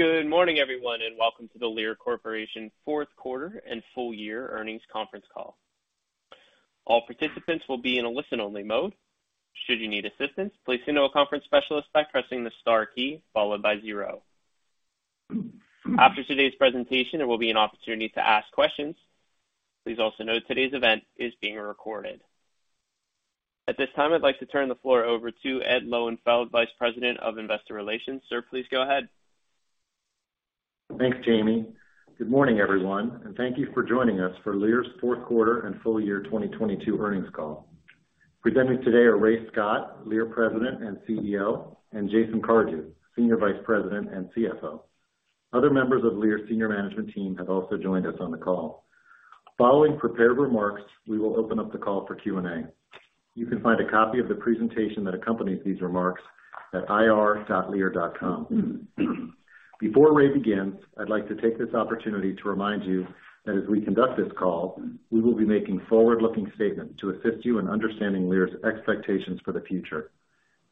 Good morning, everyone, and welcome to the Lear Corporation Q4 and Full Year Earnings Conference Call. All participants will be in a listen-only mode. Should you need assistance, please signal a conference specialist by pressing the star key followed by zero. After today's presentation, there will be an opportunity to ask questions. Please also note today's event is being recorded. At this time, I'd like to turn the floor over to Ed Lowenfeld, Vice President of Investor Relations. Sir, please go ahead. Thanks, Jamie. Good morning, everyone. Thank you for joining us for Lear's Q4 and Full Year 2022 Earnings Call. Presenting today are Ray Scott, President and CEO, and Jason Cardew, Senior Vice President and CFO. Other members of Lear's senior management team have also joined us on the call. Following prepared remarks, we will open up the call for Q&A. You can find a copy of the presentation that accompanies these remarks at ir.lear.com. Before Ray begins, I'd like to take this opportunity to remind you that as we conduct this call, we will be making forward-looking statements to assist you in understanding Lear's expectations for the future.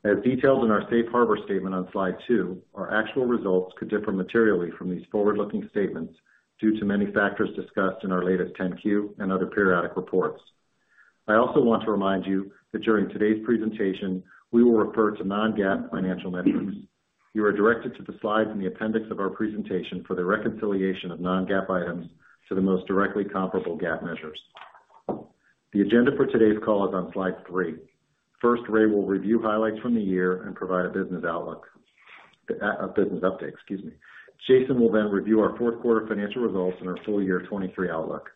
As detailed in our safe harbor statement on slide 2, our actual results could differ materially from these forward-looking statements due to many factors discussed in our latest 10-Q and other periodic reports. I also want to remind you that during today's presentation, we will refer to non-GAAP financial metrics. You are directed to the slides in the appendix of our presentation for the reconciliation of non-GAAP items to the most directly comparable GAAP measures. The agenda for today's call is on slide 3. First, Ray will review highlights from the year and provide a business outlook. A business update, excuse me. Jason will then review our Q4 financial results and our full year 2023 outlook.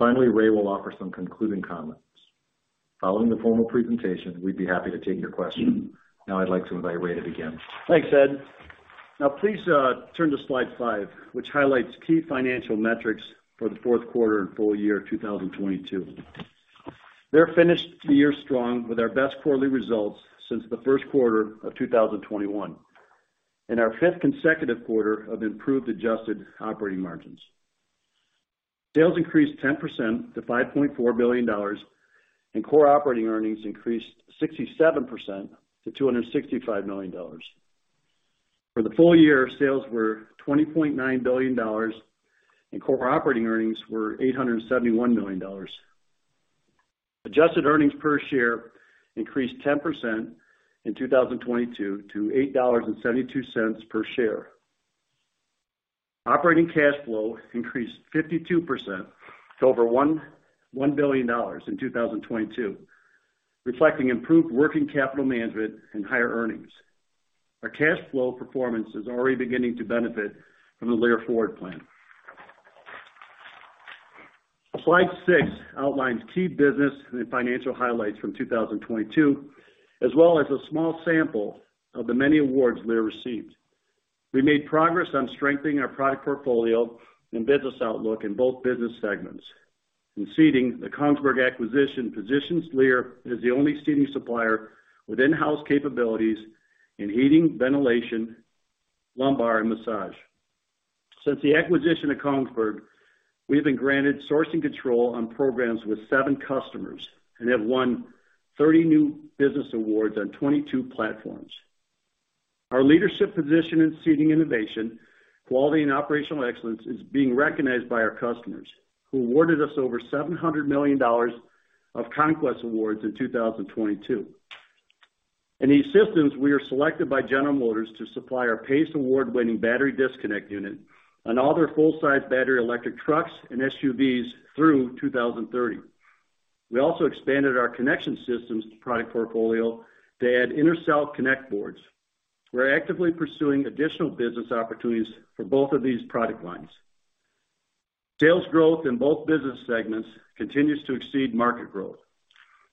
Finally, Ray will offer some concluding comments. Following the formal presentation, we'd be happy to take your questions. I'd like to invite Ray to begin. Thanks, Ed. Please turn to slide 5, which highlights key financial metrics for the Q4 and full year 2022. They're finished the year strong with our best quarterly results since the Q1 of 2021 and our fifth consecutive quarter of improved adjusted operating margins. Sales increased 10% to $5.4 billion, and core operating earnings increased 67% to $265 million. For the full year, sales were $20.9 billion, and core operating earnings were $871 million. Adjusted earnings per share increased 10% in 2022 to $8.72 per share. Operating cash flow increased 52% to over $1,1 billion in 2022, reflecting improved working capital management and higher earnings. Our cash flow performance is already beginning to benefit from the Lear Forward Plan. Slide 6 outlines key business and financial highlights from 2022, as well as a small sample of the many awards Lear received. We made progress on strengthening our product portfolio and business outlook in both business segments. In seating, the Kongsberg acquisition positions Lear as the only seating supplier with in-house capabilities in heating, ventilation, lumbar, and massage. Since the acquisition of Kongsberg, we have been granted sourcing control on programs with seven customers and have won 30 new business awards on 22 platforms. Our leadership position in seating innovation, quality, and operational excellence is being recognized by our customers, who awarded us over $700 million of conquest awards in 2022. In E-Systems, we are selected by General Motors to supply our PACE Award-winning Battery Disconnect Unit on all their full-size battery electric trucks and SUVs through 2030. We also expanded our connection systems product portfolio to add Intercell Connect Boards. We're actively pursuing additional business opportunities for both of these product lines. Sales growth in both business segments continues to exceed market growth,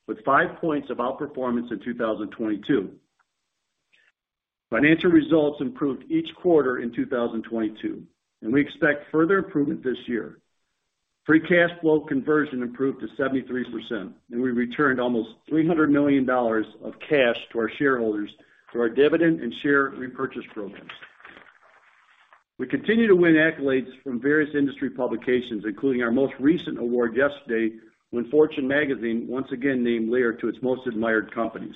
with five points of outperformance in 2022. Financial results improved each quarter in 2022. We expect further improvement this year. Free cash flow conversion improved to 73%. We returned almost $300 million of cash to our shareholders through our dividend and share repurchase programs. We continue to win accolades from various industry publications, including our most recent award yesterday, when Fortune Magazine once again named Lear to its most admired companies.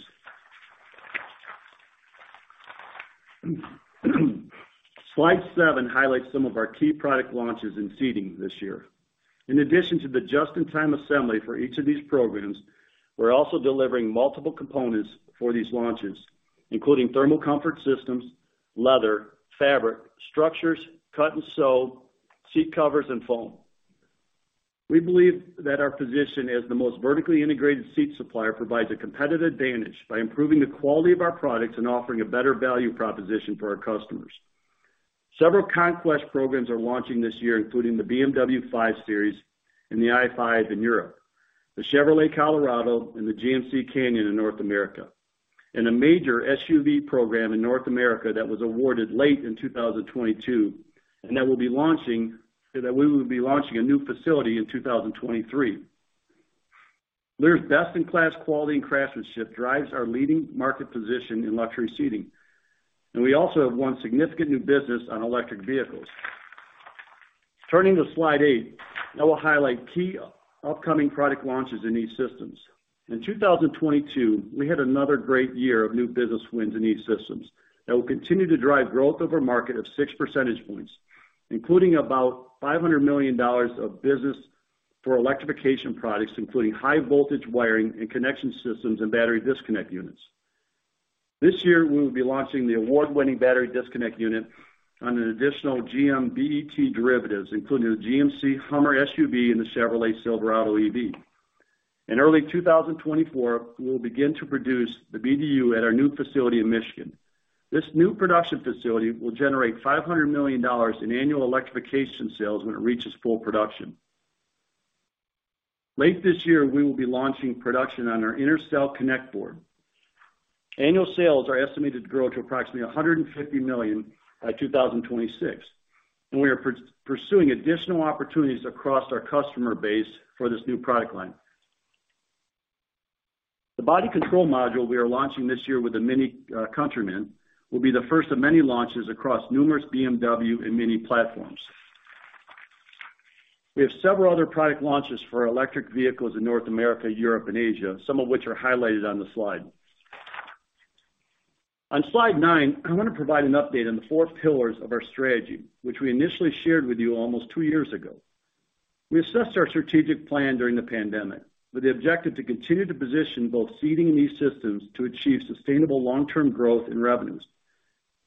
Slide 7 highlights some of our key product launches in seating this year. In addition to the just-in-time assembly for each of these programs, we're also delivering multiple components for these launches, including thermal comfort systems, leather, fabric, structures, cut and sew, seat covers, and foam. We believe that our position as the most vertically integrated seat supplier provides a competitive advantage by improving the quality of our products and offering a better value proposition for our customers. Several conquest programs are launching this year, including the BMW 5 Series and the i5 in Europe, the Chevrolet Colorado and the GMC Canyon in North America, and a major SUV program in North America that was awarded late in 2022 and that we will be launching a new facility in 2023. Lear's best-in-class quality and craftsmanship drives our leading market position in luxury seating, and we also have won significant new business on electric vehicles. Turning to slide 8, I will highlight key upcoming product launches in E-Systems. In 2022, we had another great year of new business wins in E-Systems that will continue to drive growth over market of 6 percentage points, including about $500 million of business for electrification products, including high voltage wiring and connection systems and Battery Disconnect Units. This year, we will be launching the award-winning Battery Disconnect Unit on an additional GM BEV derivatives, including the GMC Hummer EV SUV and the Chevrolet Silverado EV. In early 2024, we will begin to produce the BDU at our new facility in Michigan. This new production facility will generate $500 million in annual electrification sales when it reaches full production. Late this year, we will be launching production on our Intercell Connect Board. Annual sales are estimated to grow to approximately $150 million by 2026. We are pursuing additional opportunities across our customer base for this new product line. The Body Control Module we are launching this year with the MINI Countryman will be the first of many launches across numerous BMW and MINI platforms. We have several other product launches for electric vehicles in North America, Europe and Asia, some of which are highlighted on the slide. On slide 9, I wanna provide an update on the four pillars of our strategy, which we initially shared with you almost two years ago. We assessed our strategic plan during the pandemic with the objective to continue to position both seating and E-Systems to achieve sustainable long-term growth in revenues.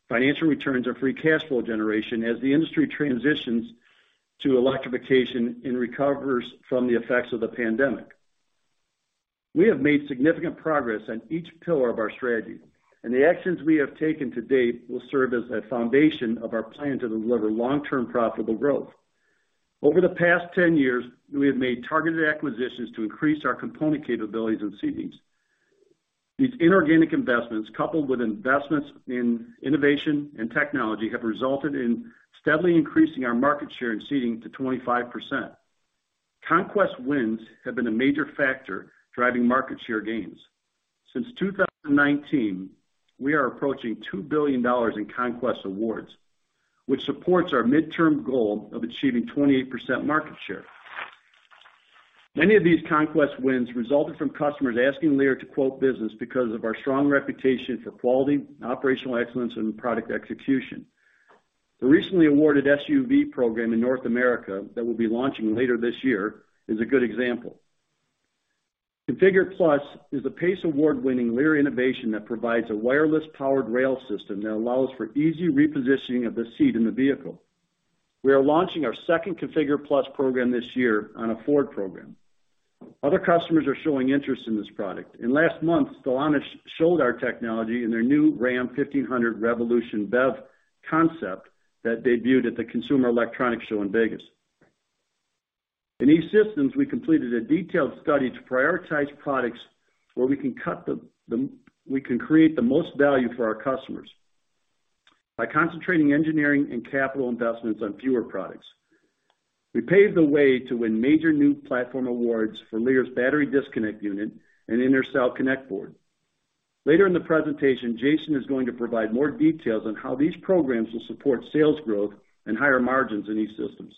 Financial returns are free cash flow generation as the industry transitions to electrification and recovers from the effects of the pandemic. We have made significant progress on each pillar of our strategy, and the actions we have taken to date will serve as a foundation of our plan to deliver long-term profitable growth. Over the past 10 years, we have made targeted acquisitions to increase our component capabilities and Seatings. These inorganic investments, coupled with investments in innovation and technology, have resulted in steadily increasing our market share in seating to 25%. Conquest wins have been a major factor driving market share gains. Since 2019, we are approaching $2 billion in conquest awards, which supports our midterm goal of achieving 28% market share. Many of these conquest wins resulted from customers asking Lear to quote business because of our strong reputation for quality, operational excellence and product execution. The recently awarded SUV program in North America that will be launching later this year is a good example. ConfigurE+ is a PACE Award-winning Lear innovation that provides a wireless powered rail system that allows for easy repositioning of the seat in the vehicle. We are launching our second ConfigurE+ program this year on a Ford program. Last month, Stellantis showed our technology in their new Ram 1500 Revolution BEV concept that debuted at the Consumer Electronics Show in Vegas. In E-Systems, we completed a detailed study to prioritize products where we can cut, we can create the most value for our customers by concentrating engineering and capital investments on fewer products. We paved the way to win major new platform awards for Lear's Battery Disconnect Unit and Intercell Connect Board. Later in the presentation, Jason is going to provide more details on how these programs will support sales growth and higher margins in E-Systems.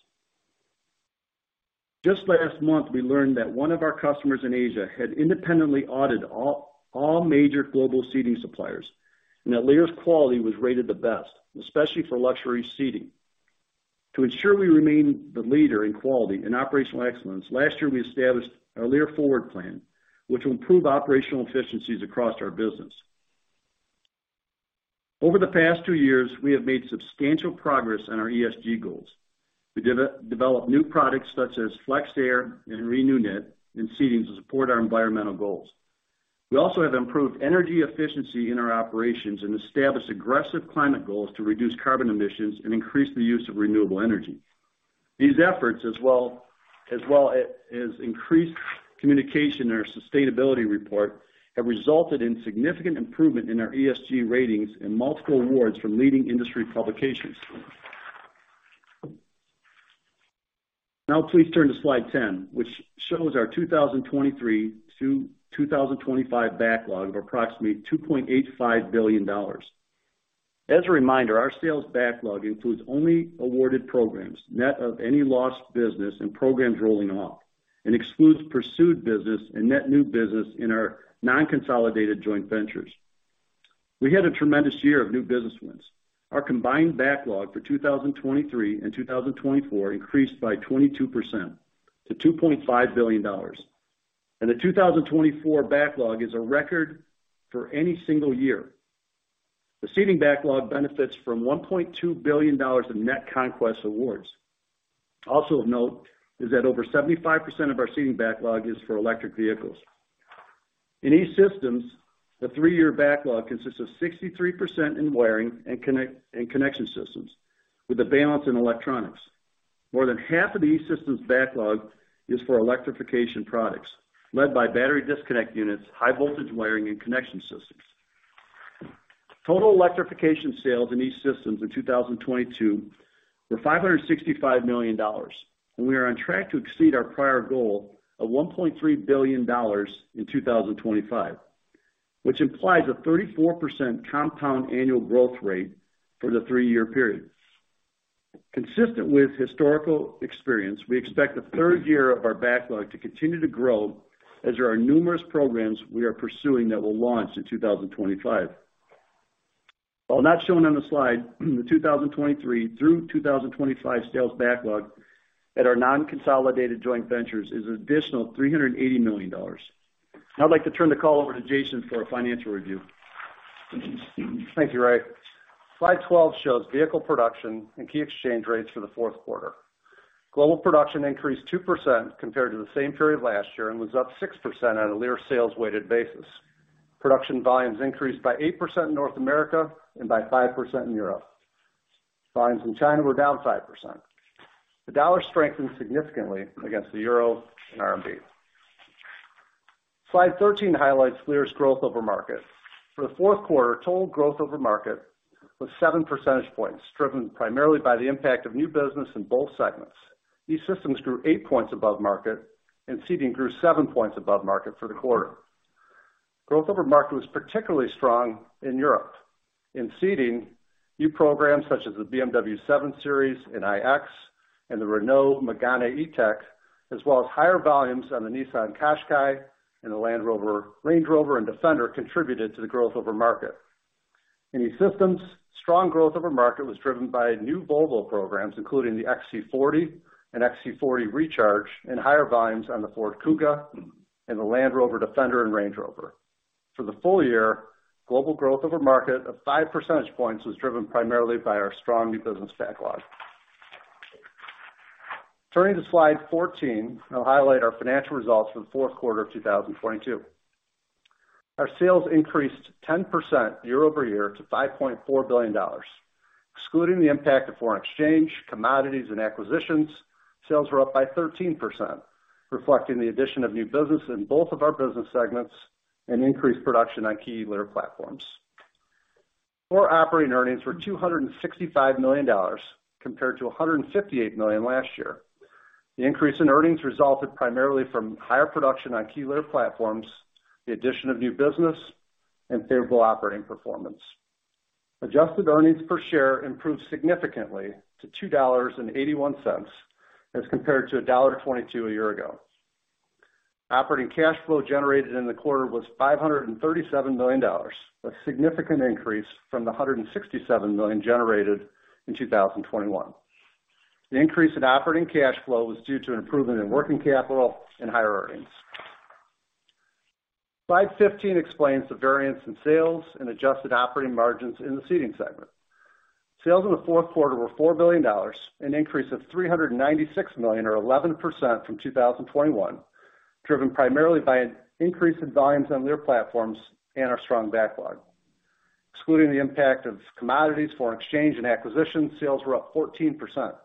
Just last month, we learned that one of our customers in Asia had independently audited all major global seating suppliers, and that Lear's quality was rated the best, especially for luxury seating. To ensure we remain the leader in quality and operational excellence, last year we established our Lear Forward Plan, which will improve operational efficiencies across our business. Over the past two years, we have made substantial progress on our ESG goals. We developed new products such as FlexAir and ReNewKnit in seatings to support our environmental goals. We also have improved energy efficiency in our operations and established aggressive climate goals to reduce carbon emissions and increase the use of renewable energy. These efforts as well as increased communication in our sustainability report have resulted in significant improvement in our ESG ratings and multiple awards from leading industry publications. Now please turn to slide 10, which shows our 2023 to 2025 backlog of approximately $2.85 billion. As a reminder, our sales backlog includes only awarded programs, net of any lost business and programs rolling off, and excludes pursued business and net new business in our non-consolidated joint ventures. We had a tremendous year of new business wins. Our combined backlog for 2023 and 2024 increased by 22% to $2.5 billion. The 2024 backlog is a record for any single year. The seating backlog benefits from $1.2 billion in net conquest awards. Also of note is that over 75% of our seating backlog is for electric vehicles. In E-Systems, the three-year backlog consists of 63% in wiring and connection systems with the balance in electronics. More than half of E-Systems backlog is for electrification products led by Battery Disconnect Units, high voltage wiring and connection systems. Total electrification sales in E-Systems in 2022 were $565 million. We are on track to exceed our prior goal of $1.3 billion in 2025, which implies a 34% compound annual growth rate for the three-year period. Consistent with historical experience, we expect the third year of our backlog to continue to grow as there are numerous programs we are pursuing that will launch in 2025. While not shown on the slide, the 2023 to 2025 sales backlog at our non-consolidated joint ventures is an additional $380 million. I'd like to turn the call over to Jason for a financial review. Thank you, Ray. Slide 12 shows vehicle production and key exchange rates for the Q4. Global production increased 2% compared to the same period last year and was up 6% on a Lear sales weighted basis. Production volumes increased by 8% in North America and by 5% in Europe. Volumes in China were down 5%. The dollar strengthened significantly against the EUR and RMB. Slide 13 highlights Lear's growth over market. For the Q4, total growth over market was 7 percentage points, driven primarily by the impact of new business in both segments. E-Systems grew 8 points above market and Seating grew 7 points above market for the quarter. Growth over market was particularly strong in Europe. In Seating, new programs such as the BMW 7 Series and iX and the Renault Megane E-Tech, as well as higher volumes on the Nissan Qashqai and the Range Rover and Defender contributed to the growth over market. In E-Systems, strong growth over market was driven by new Volvo programs, including the XC40 and XC40 Recharge, and higher volumes on the Ford Kuga and the Land Rover Defender and Range Rover. For the full year, global growth over market of 5 percentage points was driven primarily by our strong new business backlog. Turning to slide 14, I'll highlight our financial results for the Q4 of 2022. Our sales increased 10% year-over-year to $5.4 billion. Excluding the impact of foreign exchange, commodities, and acquisitions, sales were up by 13%, reflecting the addition of new business in both of our business segments and increased production on key Lear platforms. Core operating earnings were $265 million compared to $158 million last year. The increase in earnings resulted primarily from higher production on key Lear platforms, the addition of new business, and favorable operating performance. Adjusted earnings per share improved significantly to $2.81 as compared to $1.22 a year ago. Operating cash flow generated in the quarter was $537 million, a significant increase from the $167 million generated in 2021. The increase in operating cash flow was due to an improvement in working capital and higher earnings. Slide 15 explains the variance in sales and adjusted operating margins in the Seating segment. Sales in the Q4 were $4 billion, an increase of $396 million or 11% from 2021, driven primarily by an increase in volumes on Lear platforms and our strong backlog. Excluding the impact of commodities, foreign exchange, and acquisition, sales were up 14%.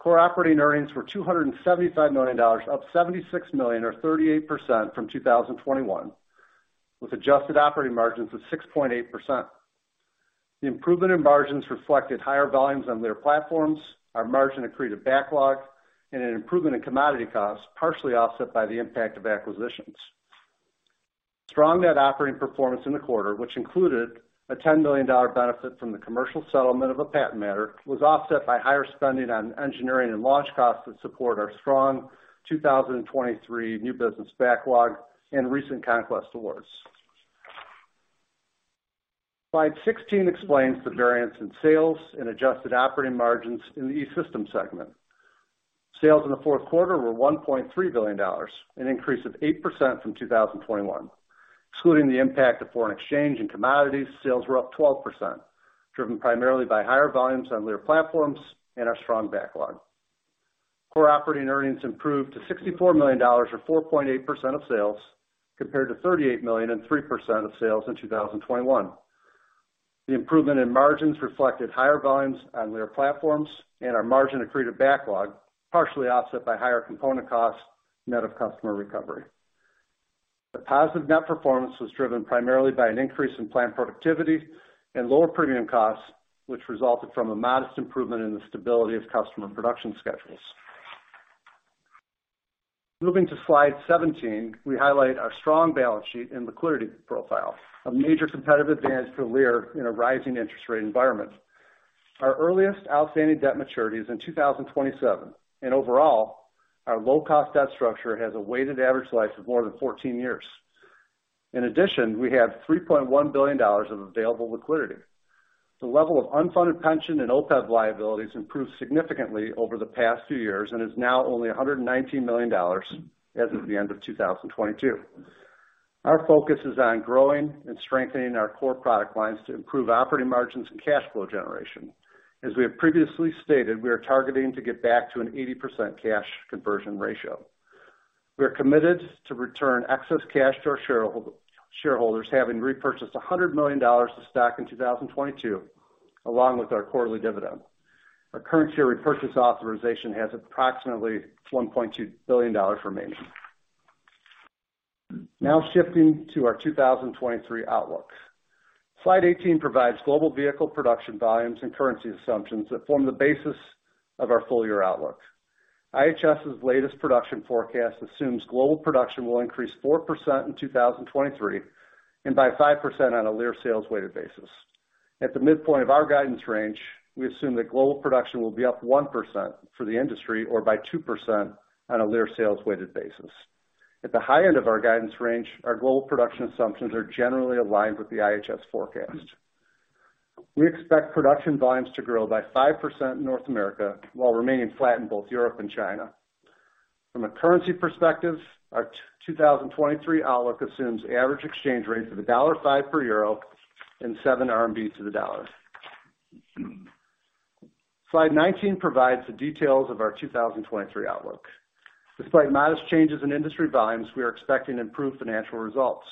Core operating earnings were $275 million, up $76 million or 38% from 2021, with adjusted operating margins of 6.8%. The improvement in margins reflected higher volumes on Lear platforms, our margin accreted backlog, and an improvement in commodity costs, partially offset by the impact of acquisitions. Strong net operating performance in the quarter, which included a $10 million benefit from the commercial settlement of a patent matter, was offset by higher spending on engineering and launch costs that support our strong 2023 new business backlog and recent conquest awards. Slide 16 explains the variance in sales and adjusted operating margins in the E-Systems segment. Sales in the Q4 were $1.3 billion, an increase of 8% from 2021. Excluding the impact of foreign exchange and commodities, sales were up 12%, driven primarily by higher volumes on Lear platforms and our strong backlog. Core operating earnings improved to $64 million or 4.8% of sales, compared to $38 million and 3% of sales in 2021. The improvement in margins reflected higher volumes on Lear platforms and our margin accreted backlog, partially offset by higher component costs net of customer recovery. The positive net performance was driven primarily by an increase in plant productivity and lower premium costs, which resulted from a modest improvement in the stability of customer production schedules. Moving to slide 17, we highlight our strong balance sheet and liquidity profile, a major competitive advantage for Lear in a rising interest rate environment. Our earliest outstanding debt maturity is in 2027. Overall, our low-cost debt structure has a weighted average life of more than 14 years. In addition, we have $3.1 billion of available liquidity. The level of unfunded pension and OPEB liabilities improved significantly over the past few years and is now only $119 million as of the end of 2022. Our focus is on growing and strengthening our core product lines to improve operating margins and cash flow generation. As we have previously stated, we are targeting to get back to an 80% cash conversion ratio. We are committed to return excess cash to our shareholders, having repurchased $100 million of stock in 2022, along with our quarterly dividend. Our current share repurchase authorization has approximately $1.2 billion remaining. Shifting to our 2023 outlook. Slide 18 provides global vehicle production volumes and currency assumptions that form the basis of our full year outlook. IHS latest production forecast assumes global production will increase 4% in 2023, and by 5% on a Lear sales weighted basis. At the midpoint of our guidance range, we assume that global production will be up 1% for the industry or by 2% on a Lear sales weighted basis. At the high end of our guidance range, our global production assumptions are generally aligned with the IHS forecast. We expect production volumes to grow by 5% in North America while remaining flat in both Europe and China. From a currency perspective, our 2023 outlook assumes average exchange rates of $1.05 per EUR and 7 RMB to the dollar. Slide 19 provides the details of our 2023 outlook. Despite modest changes in industry volumes, we are expecting improved financial results.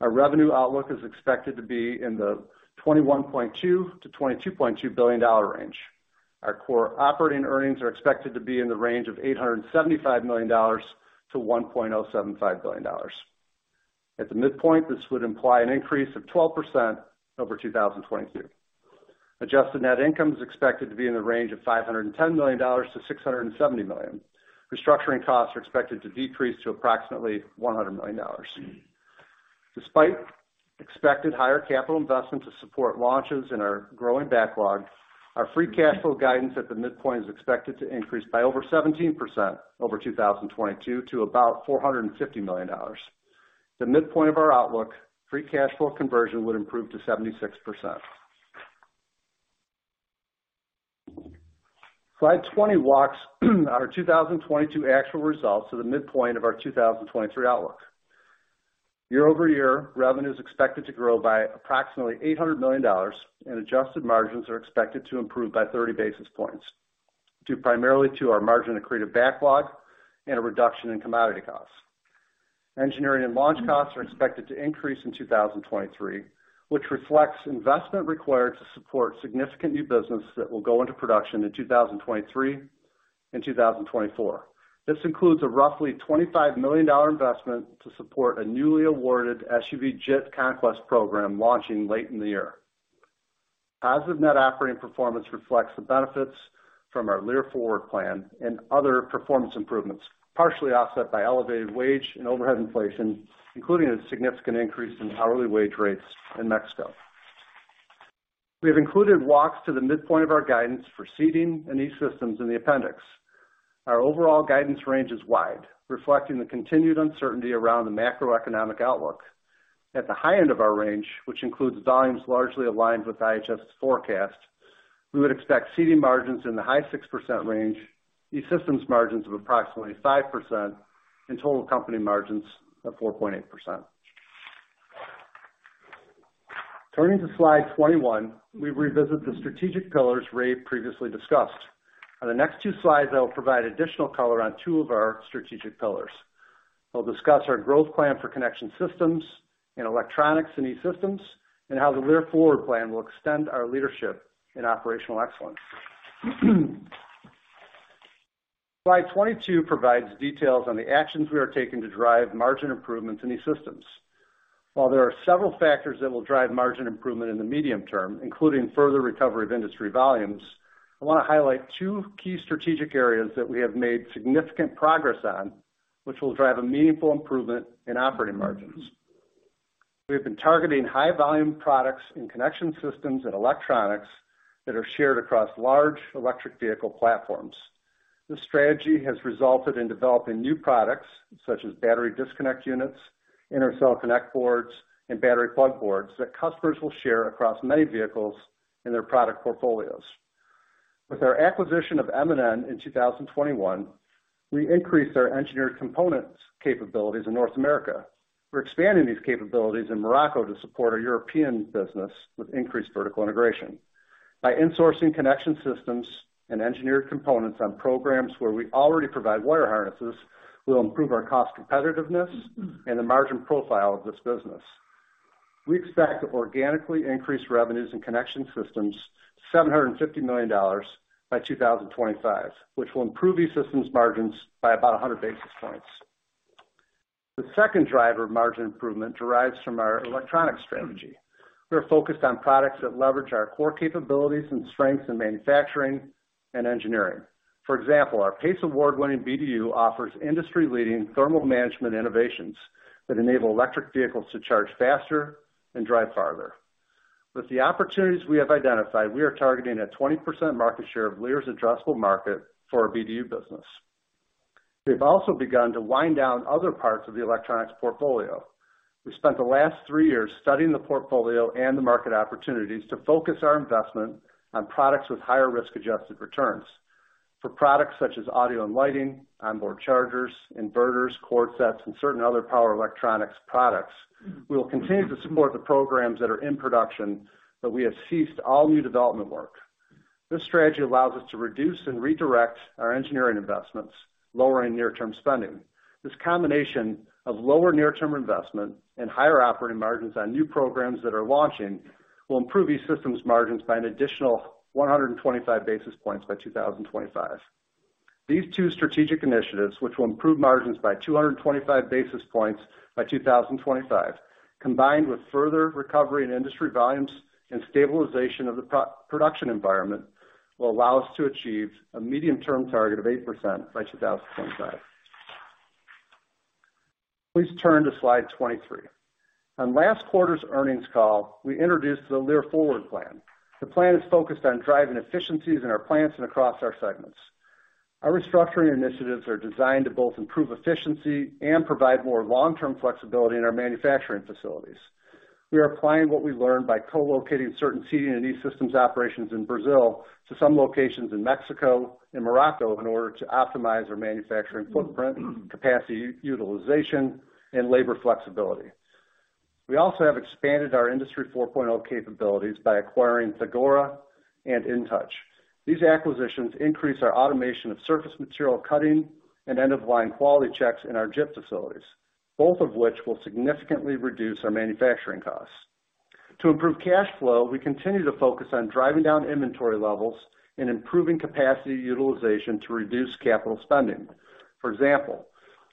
Our revenue outlook is expected to be in the $21.2 billion to $22.2 billion range. Our core operating earnings are expected to be in the range of $875 million to $1.075 billion. At the midpoint, this would imply an increase of 12% over 2022. Adjusted net income is expected to be in the range of $510 million to $670 million. Restructuring costs are expected to decrease to approximately $100 million. Despite expected higher capital investment to support launches in our growing backlog, our free cash flow guidance at the midpoint is expected to increase by over 17% over 2022 to about $450 million. The midpoint of our outlook, free cash flow conversion would improve to 76%. Slide 20 walks our 2022 actual results to the midpoint of our 2023 outlook. Year-over-year, revenue is expected to grow by approximately $800 million and adjusted margins are expected to improve by 30 basis points, due primarily to our margin accretive backlog and a reduction in commodity costs. Engineering and launch costs are expected to increase in 2023, which reflects investment required to support significant new business that will go into production in 2023 and 2024. This includes a roughly $25 million investment to support a newly awarded SUV JIT conquest program launching late in the year. Positive net operating performance reflects the benefits from our Lear Forward Plan and other performance improvements, partially offset by elevated wage and overhead inflation, including a significant increase in hourly wage rates in Mexico. We have included walks to the midpoint of our guidance for seating and E-Systems in the appendix. Our overall guidance range is wide, reflecting the continued uncertainty around the macroeconomic outlook. At the high end of our range, which includes volumes largely aligned with IHS forecast, we would expect seating margins in the high 6% range, E-Systems margins of approximately 5% and total company margins of 4.8%. Turning to slide 21, we revisit the strategic pillars Ray previously discussed. On the next two slides, I will provide additional color on two of our strategic pillars. I'll discuss our growth plan for connection systems and electronics in E-Systems, how the Lear Forward Plan will extend our leadership in operational excellence. Slide 22 provides details on the actions we are taking to drive margin improvements in E-Systems. While there are several factors that will drive margin improvement in the medium term, including further recovery of industry volumes, I wanna highlight two key strategic areas that we have made significant progress on, which will drive a meaningful improvement in operating margins. We have been targeting high volume products in connection systems and electronics that are shared across large electric vehicle platforms. This strategy has resulted in developing new products such as Battery Disconnect Units, Intercell Connect Boards and Battery Plug Boards that customers will share across many vehicles in their product portfolios. With our acquisition of M&N in 2021, we increased our engineered components capabilities in North America. We're expanding these capabilities in Morocco to support our European business with increased vertical integration. By insourcing connection systems and engineered components on programs where we already provide wire harnesses, we'll improve our cost competitiveness and the margin profile of this business. We expect to organically increase revenues in connection systems $750 million by 2025, which will improve E-Systems margins by about 100 basis points. The second driver of margin improvement derives from our electronic strategy. We're focused on products that leverage our core capabilities and strengths in manufacturing and engineering. For example, our PACE Award-winning BDU offers industry-leading thermal management innovations that enable electric vehicles to charge faster and drive farther. With the opportunities we have identified, we are targeting a 20% market share of Lear's addressable market for our BDU business. We've also begun to wind down other parts of the electronics portfolio. We spent the last three years studying the portfolio and the market opportunities to focus our investment on products with higher risk-adjusted returns. For products such as audio and lighting, onboard chargers, inverters, cord sets, and certain other power electronics products, we will continue to support the programs that are in production, but we have ceased all new development work. This strategy allows us to reduce and redirect our engineering investments, lowering near-term spending. This combination of lower near-term investment and higher operating margins on new programs that are launching will improve E-Systems margins by an additional 125 basis points by 2025. These two strategic initiatives, which will improve margins by 225 basis points by 2025, combined with further recovery in industry volumes and stabilization of the production environment will allow us to achieve a medium-term target of 8% by 2025. Please turn to slide 23. On last quarter's earnings call, we introduced the Lear Forward Plan. The plan is focused on driving efficiencies in our plants and across our segments. Our restructuring initiatives are designed to both improve efficiency and provide more long-term flexibility in our manufacturing facilities. We are applying what we learned by co-locating certain seating and E-Systems operations in Brazil to some locations in Mexico and Morocco in order to optimize our manufacturing footprint, capacity utilization, and labor flexibility. We also have expanded our Industry 4.0 capabilities by acquiring Thagora and InTouch. These acquisitions increase our automation of surface material cutting and end-of-line quality checks in our JIT facilities, both of which will significantly reduce our manufacturing costs. To improve cash flow, we continue to focus on driving down inventory levels and improving capacity utilization to reduce capital spending. For example,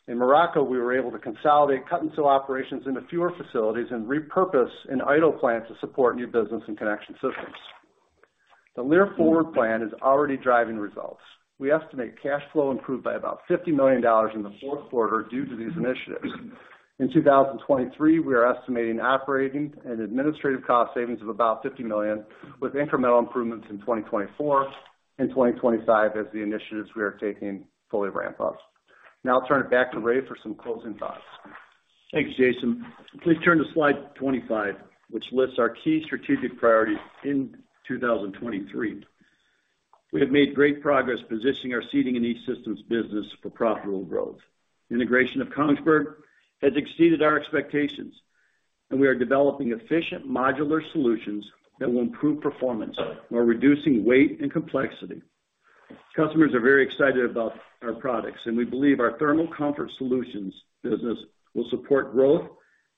in Morocco, we were able to consolidate cut-and-sew operations into fewer facilities and repurpose an idle plant to support new business and connection systems. The Lear Forward Plan is already driving results. We estimate cash flow improved by about $50 million in the Q4 due to these initiatives. In 2023, we are estimating operating and administrative cost savings of about $50 million, with incremental improvements in 2024 and 2025 as the initiatives we are taking fully ramp up. I'll turn it back to Ray for some closing thoughts. Thanks, Jason. Please turn to slide 25, which lists our key strategic priorities in 2023. We have made great progress positioning our Seating and E-Systems business for profitable growth. Integration of Kongsberg has exceeded our expectations, and we are developing efficient modular solutions that will improve performance while reducing weight and complexity. Customers are very excited about our products, and we believe our thermal comfort solutions business will support growth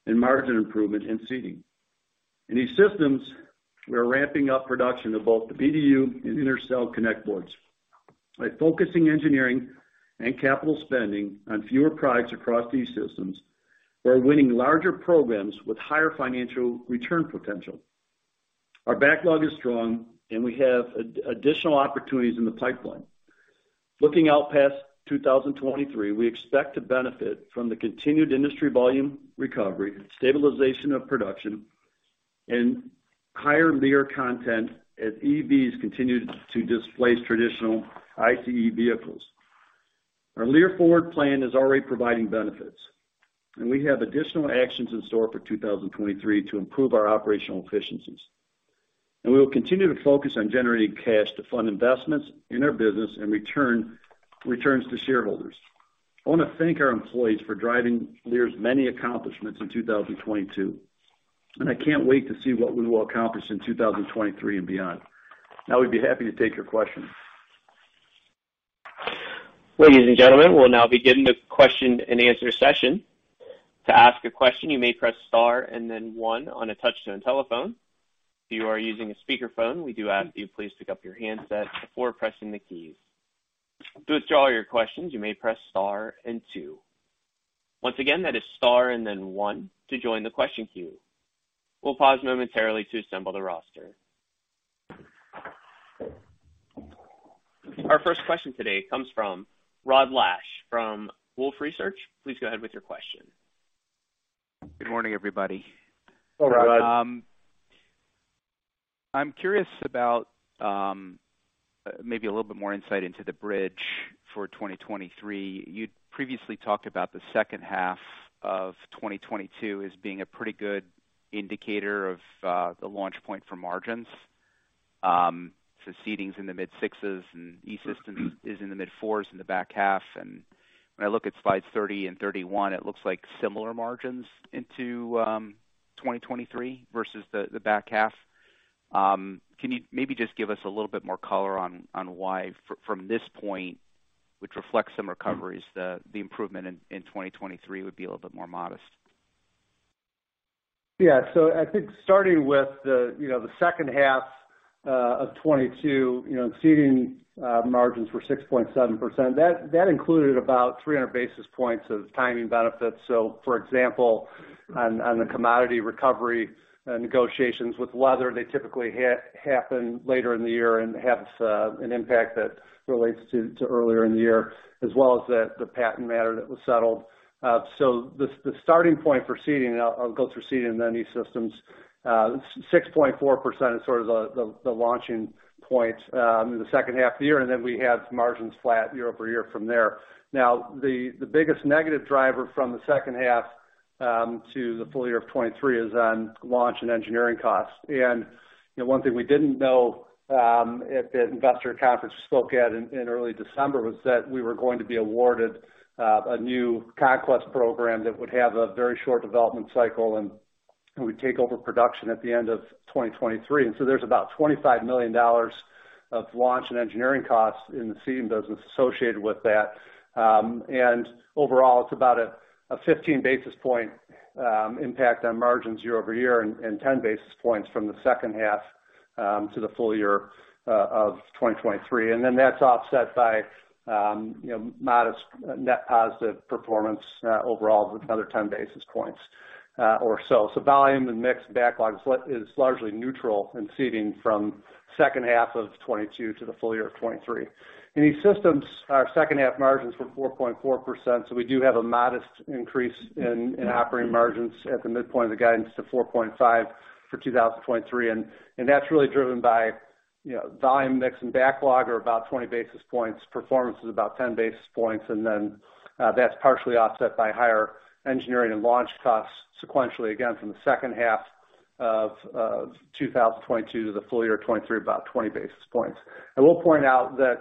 and margin improvement in Seating. In E-Systems, we are ramping up production of both the BDU and Intercell Connect Boards. By focusing engineering and capital spending on fewer products across these systems, we are winning larger programs with higher financial return potential. Our backlog is strong, and we have additional opportunities in the pipeline. Looking out past 2023, we expect to benefit from the continued industry volume recovery, stabilization of production, and higher Lear content as EVs continue to displace traditional ICE vehicles. Our Lear Forward Plan is already providing benefits. We have additional actions in store for 2023 to improve our operational efficiencies. We will continue to focus on generating cash to fund investments in our business and returns to shareholders. I wanna thank our employees for driving Lear's many accomplishments in 2022. I can't wait to see what we will accomplish in 2023 and beyond. Now we'd be happy to take your questions. Ladies and gentlemen, we'll now begin the question-and-answer session. To ask a question, you may press star and then one on a touch-tone telephone. If you are using a speakerphone, we do ask that you please pick up your handset before pressing the keys. To withdraw your questions, you may press star and two. Once again, that is star and then one to join the question queue. We'll pause momentarily to assemble the roster. Our first question today comes from Rod Lache from Wolfe Research. Please go ahead with your question. Good morning, everybody. Hello, Rod. Hello. I'm curious about maybe a little bit more insight into the bridge for 2023. You'd previously talked about the H2 of 2022 as being a pretty good indicator of the launch point for margins. Seating's in the mid-6s and E-Systems is in the mid-4s in the back half. When I look at slides 30 and 31, it looks like similar margins into 2023 versus the back half. Can you maybe just give us a little bit more color on why from this point, which reflects some recoveries, the improvement in 2023 would be a little bit more modest? Yeah. I think starting with the, you know, the H2 of 2022, you know, seating margins were 6.7%. That included about 300 basis points of timing benefits. For example, on the commodity recovery negotiations with weather, they typically happen later in the year and have an impact that relates to earlier in the year, as well as the patent matter that was settled. The starting point for seating, and I'll go through seating and then E-Systems, 6.4% is sort of the launching point in the H2 of the year, and then we have margins flat year-over-year from there. Now, the biggest negative driver from the H2 to the full year of 2023 is on launch and engineering costs. You know, one thing we didn't know at the investor conference we spoke at in early December was that we were going to be awarded a new Conquest program that would have a very short development cycle and we take over production at the end of 2023. There's about $25 million of launch and engineering costs in the seating business associated with that. Overall, it's about a 15 basis point impact on margins year-over-year and 10 basis points from the H2 to the full year of 2023. That's offset by, you know, modest net positive performance overall with another 10 basis points or so. Volume and mix backlog is largely neutral in seating from H2 of 2022 to the full year of 2023. In E-Systems, our H2 margins were 4.4%, so we do have a modest increase in operating margins at the midpoint of the guidance to 4.5% for 2023. That's really driven by, you know, volume, mix, and backlog are about 20 basis points. Performance is about 10 basis points. That's partially offset by higher engineering and launch costs sequentially, again, from the H2 of 2022 to the full year of 2023, about 20 basis points. I will point out that,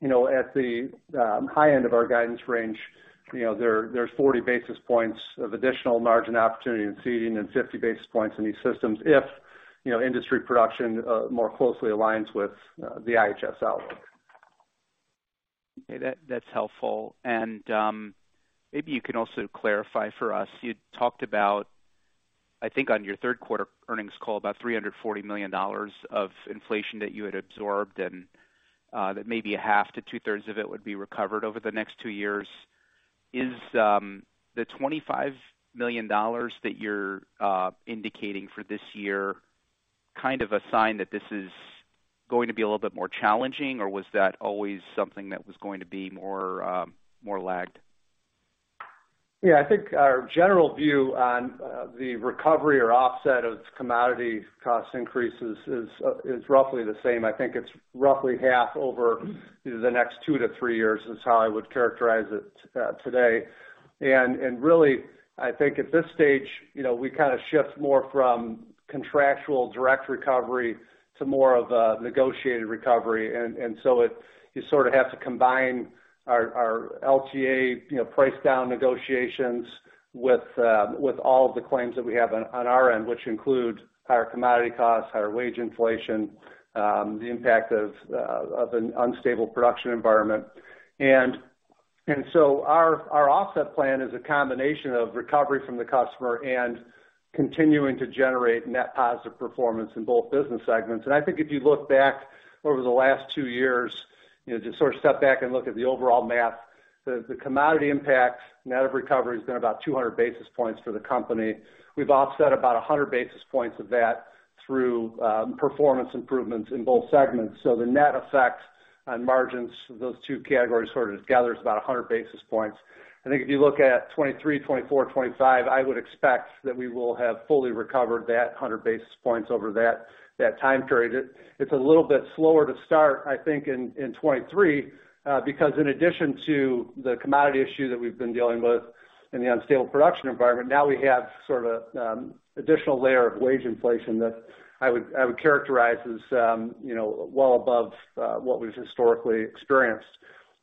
you know, at the high end of our guidance range, you know, there's 40 basis points of additional margin opportunity in seating and 50 basis points in E-Systems if, you know, industry production more closely aligns with the IHS Markit outlook. Okay. That's helpful. Maybe you can also clarify for us. You talked about, I think on your Q3 earnings call, about $340 million of inflation that you had absorbed that maybe a half to 2/3 of it would be recovered over the next two years. Is the $25 million that you're indicating for this year kind of a sign that this is going to be a little bit more challenging, or was that always something that was going to be more lagged? I think our general view on the recovery or offset of commodity cost increases is roughly the same. I think it's roughly half over the next two to three years, is how I would characterize it today. Really, I think at this stage, you know, we kind of shift more from contractual direct recovery to more of a negotiated recovery. So you sort of have to combine our LGA, you know, price down negotiations with all of the claims that we have on our end, which include higher commodity costs, higher wage inflation, the impact of an unstable production environment. So our offset plan is a combination of recovery from the customer and continuing to generate net positive performance in both business segments. I think if you look back over the last two years, you know, just sort of step back and look at the overall math, the commodity impact net of recovery has been about 200 basis points for the company. We've offset about 100 basis points of that through performance improvements in both segments. The net effect on margins of those two categories sort of together is about 100 basis points. I think if you look at 2023, 2024, 2025, I would expect that we will have fully recovered that 100 basis points over that time period. It's a little bit slower to start, I think, in 2023, because in addition to the commodity issue that we've been dealing with and the unstable production environment, now we have sort of additional layer of wage inflation that I would characterize as, you know, well above what was historically experienced.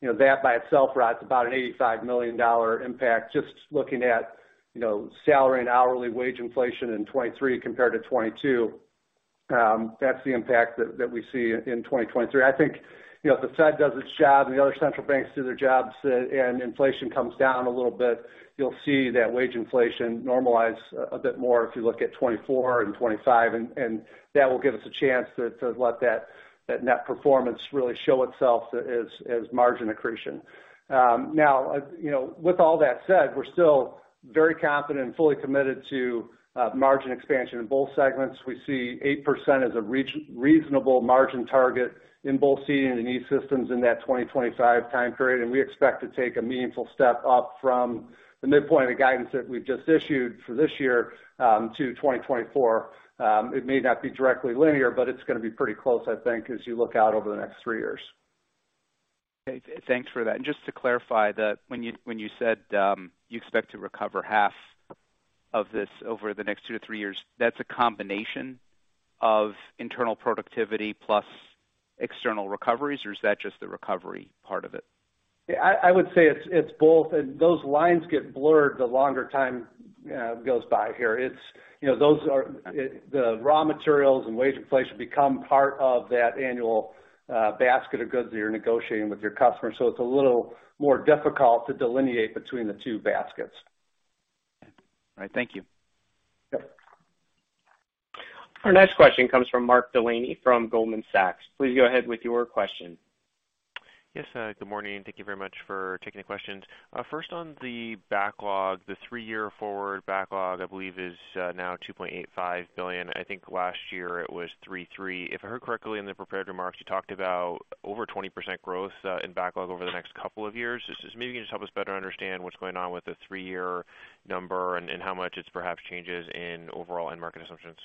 You know, that by itself rides about an $85 million impact just looking at, you know, salary and hourly wage inflation in 2023 compared to 2022. That's the impact that we see in 2023. I think, you know, if the Fed does its job and the other central banks do their jobs, and inflation comes down a little bit, you'll see that wage inflation normalize a bit more if you look at 2024 and 2025, and that will give us a chance to let that net performance really show itself as margin accretion. You know, with all that said, we're still very confident and fully committed to margin expansion in both segments. We see 8% as a reasonable margin target in both Seating and E-Systems in that 2025 time period. We expect to take a meaningful step up from the midpoint of the guidance that we've just issued for this year to 2024. It may not be directly linear, but it's gonna be pretty close, I think, as you look out over the next three years. Okay. Thanks for that. Just to clarify that when you said, you expect to recover half of this over the next two to three years, that's a combination of internal productivity plus external recoveries, or is that just the recovery part of it? Yeah. I would say it's both. Those lines get blurred the longer time goes by here. You know, those are the raw materials and wage inflation become part of that annual basket of goods that you're negotiating with your customers, so it's a little more difficult to delineate between the two baskets. All right. Thank you. Yep. Our next question comes from Mark Delaney from Goldman Sachs. Please go ahead with your question. Yes. Good morning. Thank you very much for taking the questions. First on the backlog. The three-year forward backlog, I believe, is now $2.85 billion. I think last year it was $3.3 billion. If I heard correctly in the prepared remarks, you talked about over 20% growth in backlog over the next couple of years. Is this maybe you can just help us better understand what's going on with the three-year number and how much it's perhaps changes in overall end market assumptions.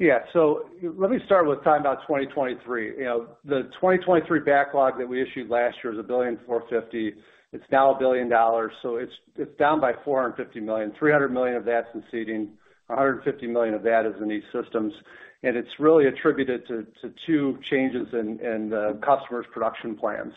Let me start with talking about 2023. You know, the 2023 backlog that we issued last year is $1.45 billion. It's now $1 billion, it's down by $450 million. $300 million of that's in seating, $150 million of that is in E-Systems. It's really attributed to two changes in the customer's production plans.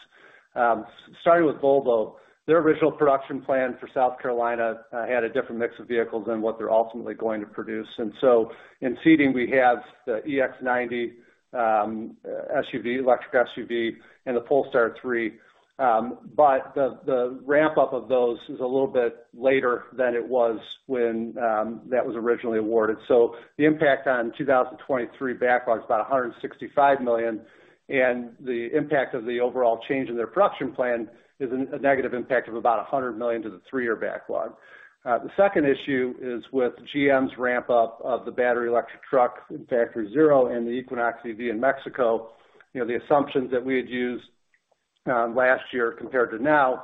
Starting with Volvo. Their original production plan for South Carolina had a different mix of vehicles than what they're ultimately going to produce. In seating, we have the EX90 SUV, electric SUV, and the Polestar 3. The ramp-up of those is a little bit later than it was when that was originally awarded. The impact on 2023 backlog is about $165 million, and the impact of the overall change in their production plan is a negative impact of about $100 million to the three-year backlog. The second issue is with GM's ramp-up of the battery electric truck in Factory Zero and the Equinox EV in Mexico. You know, the assumptions that we had used last year compared to now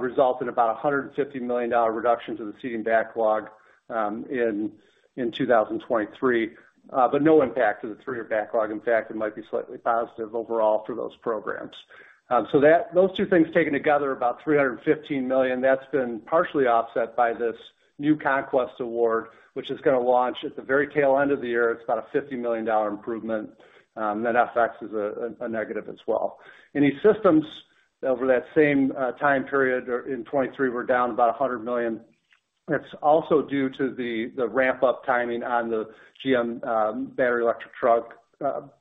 result in about a $150 million reduction to the seating backlog in 2023. No impact to the three-year backlog. In fact, it might be slightly positive overall for those programs. Those two things taken together, about $315 million, that's been partially offset by this new conquest award, which is gonna launch at the very tail end of the year. It's about a $50 million improvement, FX is a negative as well. In E-Systems, over that same time period or in 2023, we're down about $100 million. It's also due to the ramp-up timing on the GM battery electric truck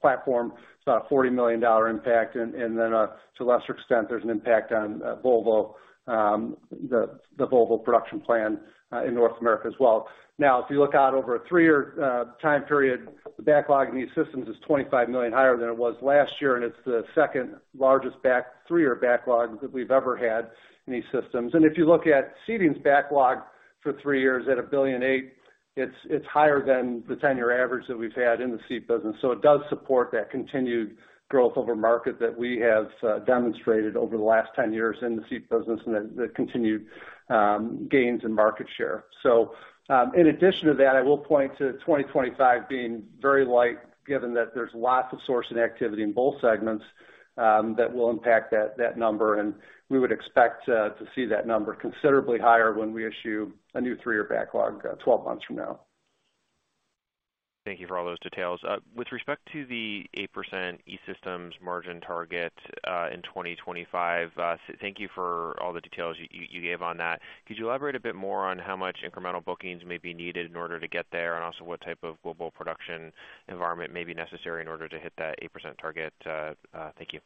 platform. It's about a $40 million impact, to a lesser extent, there's an impact on Volvo, the Volvo production plan in North America as well. If you look out over a three-year time period, the backlog in E-Systems is $25 million higher than it was last year, and it's the second largest three-year backlog that we've ever had in E-Systems. If you look at Seating's backlog for three years at $1,000,000,008, it's higher than the 10-year average that we've had in the seat business. It does support that continued growth over market that we have demonstrated over the last 10 years in the seat business and the continued gains in market share. In addition to that, I will point to 2025 being very light given that there's lots of sourcing activity in both segments that will impact that number. We would expect to see that number considerably higher when we issue a new three-year backlog 12 months from now. Thank you for all those details. With respect to the 8% E-Systems margin target, in 2025, thank you for all the details you gave on that. Could you elaborate a bit more on how much incremental bookings may be needed in order to get there? Also what type of global production environment may be necessary in order to hit that 8% target? Thank you.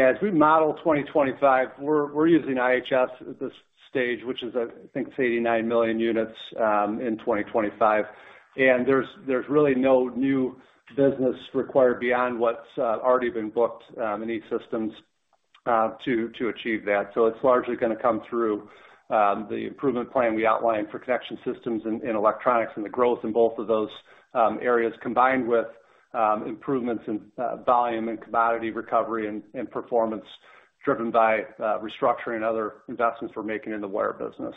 As we model 2025, we're using IHS at this stage, which is, I think it's 89 million units in 2025. There's really no new business required beyond what's already been booked in E-Systems to achieve that. It's largely gonna come through the improvement plan we outlined for Connection Systems and electronics and the growth in both of those areas, combined with improvements in volume and commodity recovery and performance driven by restructuring and other investments we're making in the wire business.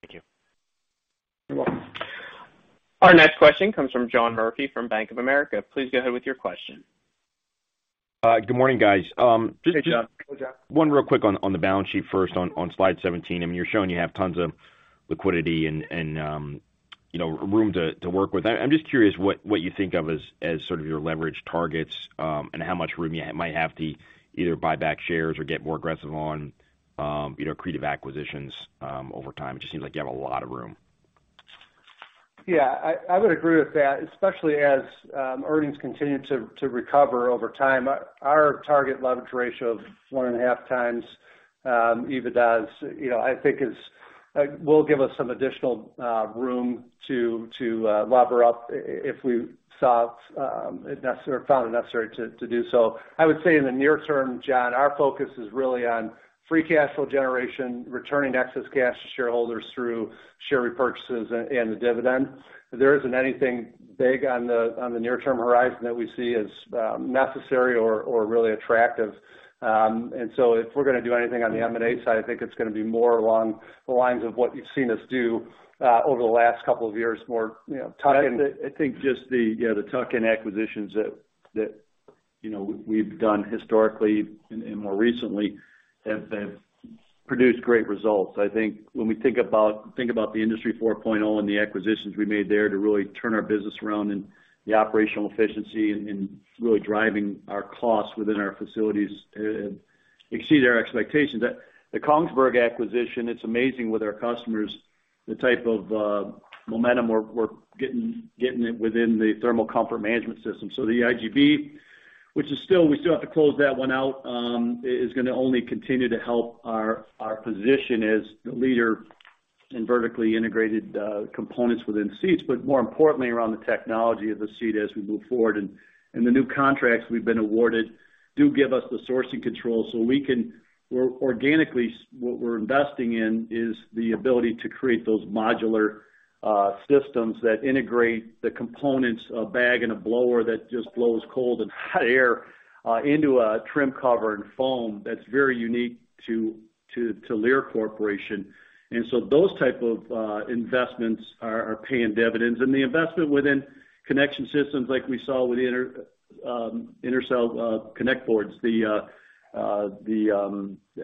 Thank you. You're welcome. Our next question comes from John Murphy from Bank of America. Please go ahead with your question. Good morning, guys. Hey, John. Hey, John. One real quick on the balance sheet first on slide 17, I mean, you're showing you have tons of liquidity and, you know, room to work with. I'm just curious what you think of as sort of your leverage targets, and how much room you might have to either buy back shares or get more aggressive on, you know, creative acquisitions over time? It just seems like you have a lot of room. Yeah. I would agree with that, especially as earnings continue to recover over time. Our target leverage ratio of 1.5x EBITDA, you know, I think is will give us some additional room to lever up if we found it necessary to do so. I would say in the near term, John, our focus is really on free cash flow generation, returning excess cash to shareholders through share repurchases and the dividend. There isn't anything big on the near-term horizon that we see as necessary or really attractive. If we're gonna do anything on the M&A side, I think it's gonna be more along the lines of what you've seen us do over the last couple of years, more, you know, tuck-in. I think just the, you know, the tuck-in acquisitions that, you know, we've done historically and more recently have produced great results. I think when we think about the Industry 4.0 and the acquisitions we made there to really turn our business around and the operational efficiency and really driving our costs within our facilities, exceeded our expectations. The Kongsberg acquisition, it's amazing with our customers, the type of momentum we're getting it within the thermal comfort management system. The IGB, which we still have to close that one out, is gonna only continue to help our position as the leader in vertically integrated components within seats, but more importantly around the technology of the seat as we move forward. The new contracts we've been awarded do give us the sourcing control, so we're organically what we're investing in is the ability to create those modular systems that integrate the components, a bag and a blower that just blows cold and hot air into a trim cover and foam that's very unique to Lear Corporation. Those type of investments are paying dividends. The investment within Connection Systems like we saw with Intercell Connect Boards, the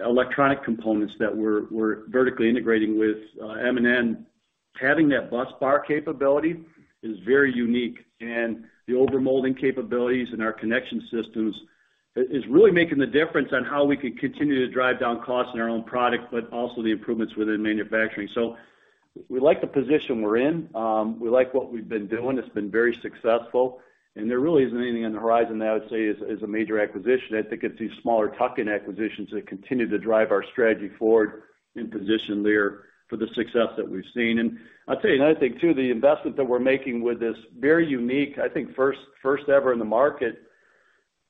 electronic components that we're vertically integrating with M&N, having that busbar capability is very unique. The overmolding capabilities in our Connection Systems is really making the difference on how we can continue to drive down costs in our own product, but also the improvements within manufacturing. We like the position we're in. We like what we've been doing. It's been very successful, there really isn't anything on the horizon that I would say is a major acquisition. I think it's these smaller tuck-in acquisitions that continue to drive our strategy forward and position there for the success that we've seen. I'll tell you another thing too, the investment that we're making with this very unique, I think first ever in the market,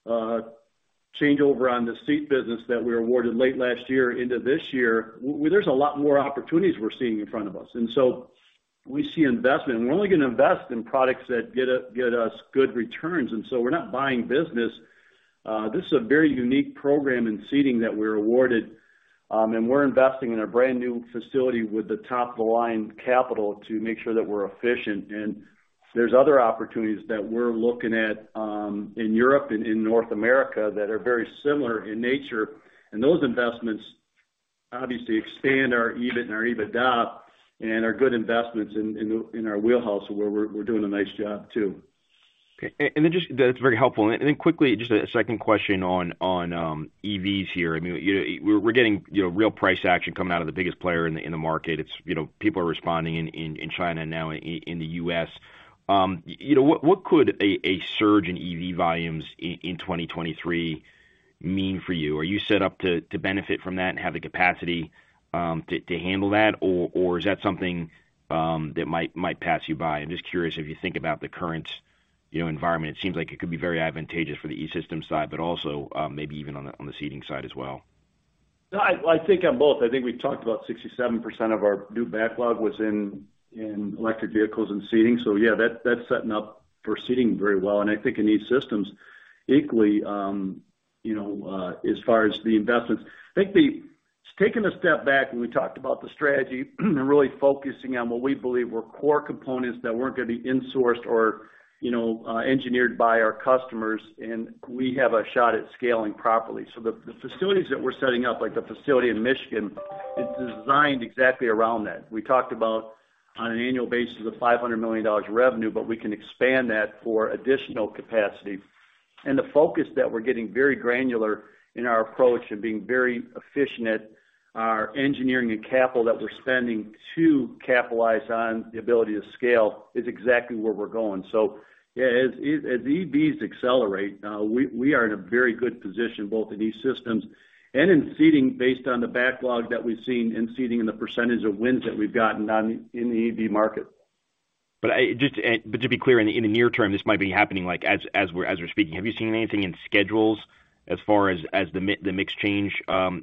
changeover on the seat business that we awarded late last year into this year, there's a lot more opportunities we're seeing in front of us. We see investment, we're only gonna invest in products that get us good returns. We're not buying business. This is a very unique program in seating that we're awarded. We're investing in a brand new facility with the top-of-the-line capital to make sure that we're efficient. There's other opportunities that we're looking at, in Europe and in North America that are very similar in nature. Those investments obviously expand our EBIT and our EBITDA and are good investments in our wheelhouse where we're doing a nice job too. Okay. That's very helpful. Quickly, just a second question on EVs here. I mean, you know, we're getting, you know, real price action coming out of the biggest player in the market. It's, you know, people are responding in China now, in the U.S. You know, what could a surge in EV volumes in 2023 mean for you? Are you set up to benefit from that and have the capacity to handle that? Or is that something that might pass you by? I'm just curious if you think about the current, you know, environment, it seems like it could be very advantageous for the E-Systems side, but also, maybe even on the seating side as well. I think on both. I think we've talked about 67% of our new backlog was in electric vehicles and seating, so yeah, that's setting up for seating very well. I think in E-Systems equally, you know, as far as the investments. I think taking a step back when we talked about the strategy and really focusing on what we believe were core components that weren't going to be insourced or, you know, engineered by our customers, and we have a shot at scaling properly. The facilities that we're setting up, like the facility in Michigan, is designed exactly around that. We talked about on an annual basis of $500 million revenue, but we can expand that for additional capacity. The focus that we're getting very granular in our approach and being very efficient at our engineering and capital that we're spending to capitalize on the ability to scale is exactly where we're going. Yeah, as EVs accelerate, we are in a very good position both in E-Systems and in seating based on the backlog that we've seen in seating and the percentage of wins that we've gotten in the EV market. Just to be clear, in the near term, this might be happening, like, as we're speaking. Have you seen anything in schedules as far as the mix change,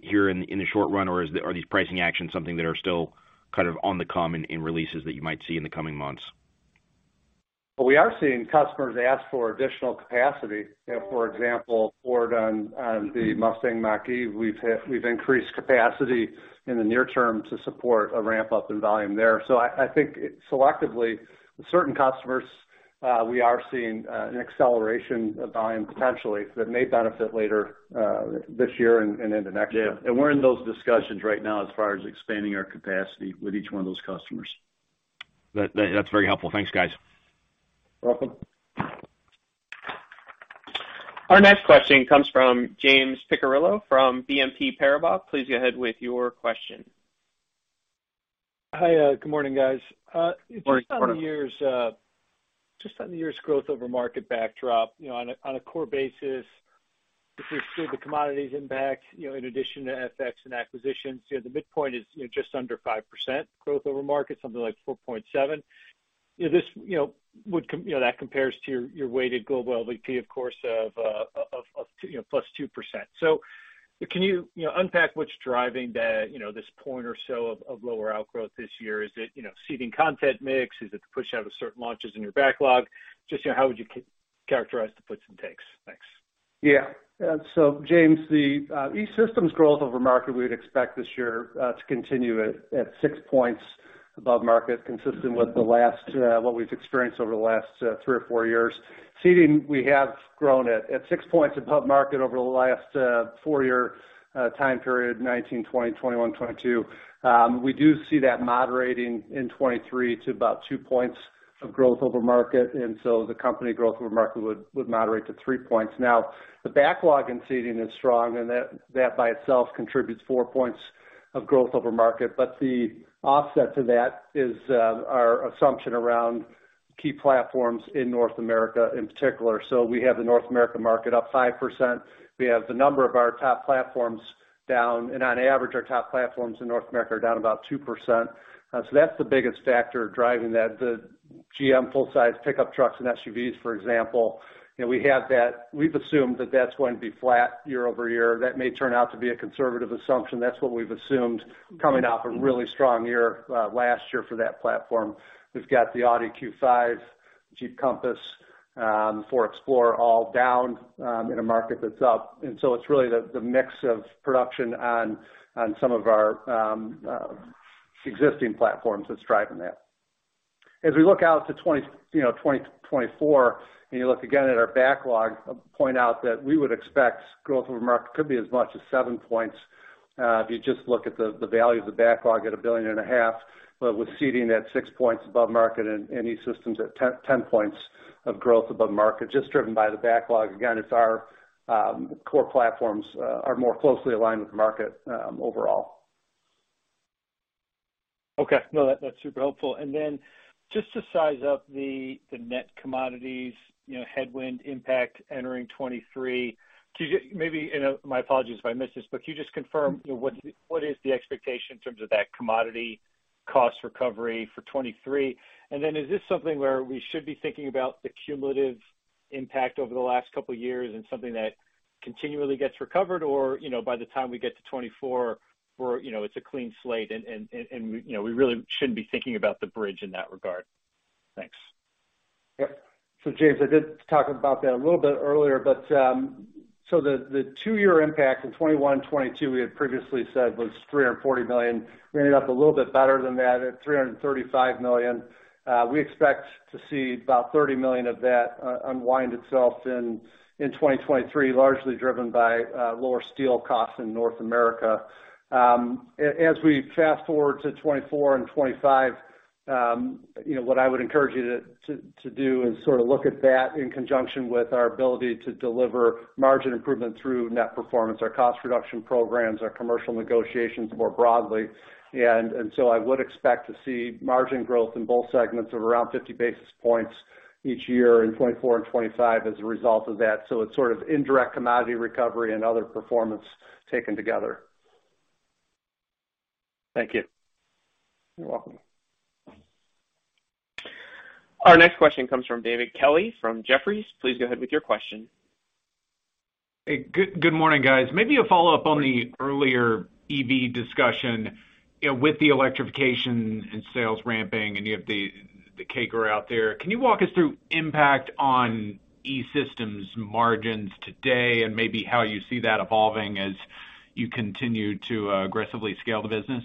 here in the short run, or are these pricing actions something that are still kind of on the come in releases that you might see in the coming months? Well, we are seeing customers ask for additional capacity. For example, Ford on the Mustang Mach-E, we've increased capacity in the near term to support a ramp-up in volume there. I think selectively certain customers, we are seeing an acceleration of volume potentially that may benefit later this year and into next year. Yeah. We're in those discussions right now as far as expanding our capacity with each one of those customers. That's very helpful. Thanks, guys. You're welcome. Our next question comes from James Picariello from BNP Paribas. Please go ahead with your question. Hi. Good morning, guys. Morning. Morning. Just on the year's growth over market backdrop, you know, on a core basis, if you exclude the commodities impact, you know, in addition to FX and acquisitions, you know, the midpoint is, you know, just under 5% growth over market, something like 4.7%. You know, this, you know, that compares to your weighted global LVP, of course, of, you know, +2%. Can you know, unpack what's driving that, you know, this point or so of lower outgrowth this year? Is it, you know, seating content mix? Is it the push out of certain launches in your backlog? Just, you know, how would you characterize the puts and takes? Thanks. James, the E-Systems growth over market, we would expect this year to continue at 6 points above market, consistent with what we've experienced over the last three or four years. Seating, we have grown at 6 points above market over the last four-year time period, 2019, 2020, 2021, 2022. We do see that moderating in 2023 to about 2 points of growth over market, the company growth over market would moderate to 3 points. Now, the backlog in seating is strong, and that by itself contributes 4 points of growth over market. The offset to that is our assumption around key platforms in North America in particular. We have the North America market up 5%. We have the number of our top platforms down, and on average, our top platforms in North America are down about 2%. That's the biggest factor driving that. The GM full-size pickup trucks and SUVs, for example, you know, We've assumed that that's going to be flat year-over-year. That may turn out to be a conservative assumption. That's what we've assumed coming off a really strong year last year for that platform. We've got the Audi Q5, Jeep Compass, Ford Explorer all down in a market that's up. It's really the mix of production on some of our existing platforms that's driving that. As we look out to 2024, you look again at our backlog, I'll point out that we would expect growth over market could be as much as 7 points, if you just look at the value of the backlog at a billion and a half. With seating at 6 points above market and E-Systems at 10 points of growth above market, just driven by the backlog. Again, it's our core platforms are more closely aligned with the market overall. Okay. No, that's super helpful. Just to size up the net commodities, you know, headwind impact entering 2023. Could you maybe, my apologies if I missed this, but could you just confirm, you know, what is the expectation in terms of that commodity cost recovery for 2023? Is this something where we should be thinking about the cumulative impact over the last couple of years and something that continually gets recovered? Or, you know, by the time we get to 2024, we're, you know, it's a clean slate and, you know, we really shouldn't be thinking about the bridge in that regard. Thanks. James, I did talk about that a little bit earlier, but the two-year impact in 2021 and 2022 we had previously said was $340 million. We ended up a little bit better than that at $335 million. We expect to see about $30 million of that unwind itself in 2023, largely driven by lower steel costs in North America. As we fast-forward to 2024 and 2025, you know, what I would encourage you to do is sort of look at that in conjunction with our ability to deliver margin improvement through net performance, our cost reduction programs, our commercial negotiations more broadly. I would expect to see margin growth in both segments of around 50 basis points each year in 2024 and 2025 as a result of that. It's sort of indirect commodity recovery and other performance taken together. Thank you. You're welcome. Our next question comes from David Kelley from Jefferies. Please go ahead with your question. Hey, good morning, guys. Maybe a follow-up on the earlier EV discussion. You know, with the electrification and sales ramping, and you have the CAQR out there. Can you walk us through impact on E-Systems margins today and maybe how you see that evolving as you continue to aggressively scale the business?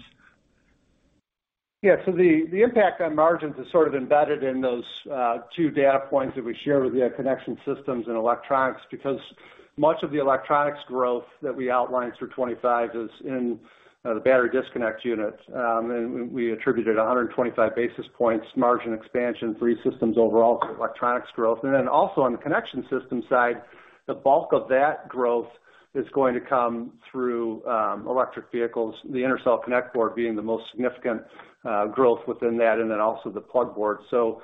The impact on margins is sort of embedded in those two data points that we share with the connection systems and electronics because much of the electronics growth that we outlined through 2025 is in the Battery Disconnect Units. We attributed 125 basis points margin expansion for E-Systems overall to electronics growth. Also on the connection system side, the bulk of that growth is going to come through electric vehicles, the Intercell Connect Board being the most significant growth within that, and then also the Plugboard. You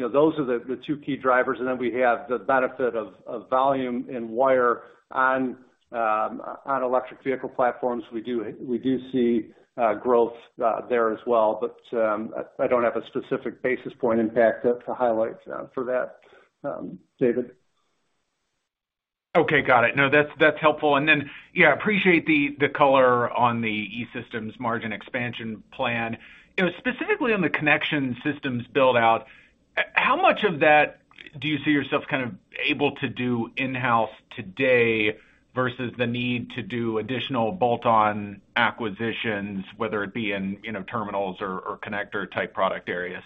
know, those are the two key drivers. Then we have the benefit of volume and wire on electric vehicle platforms. We do see growth there as well. I don't have a specific basis point impact to highlight, for that, David. Okay. Got it. No, that's helpful. Yeah, appreciate the color on the E-Systems margin expansion plan. You know, specifically on the connection systems build-out, how much of that do you see yourself kind of able to do in-house today versus the need to do additional bolt-on acquisitions, whether it be in, you know, terminals or connector-type product areas?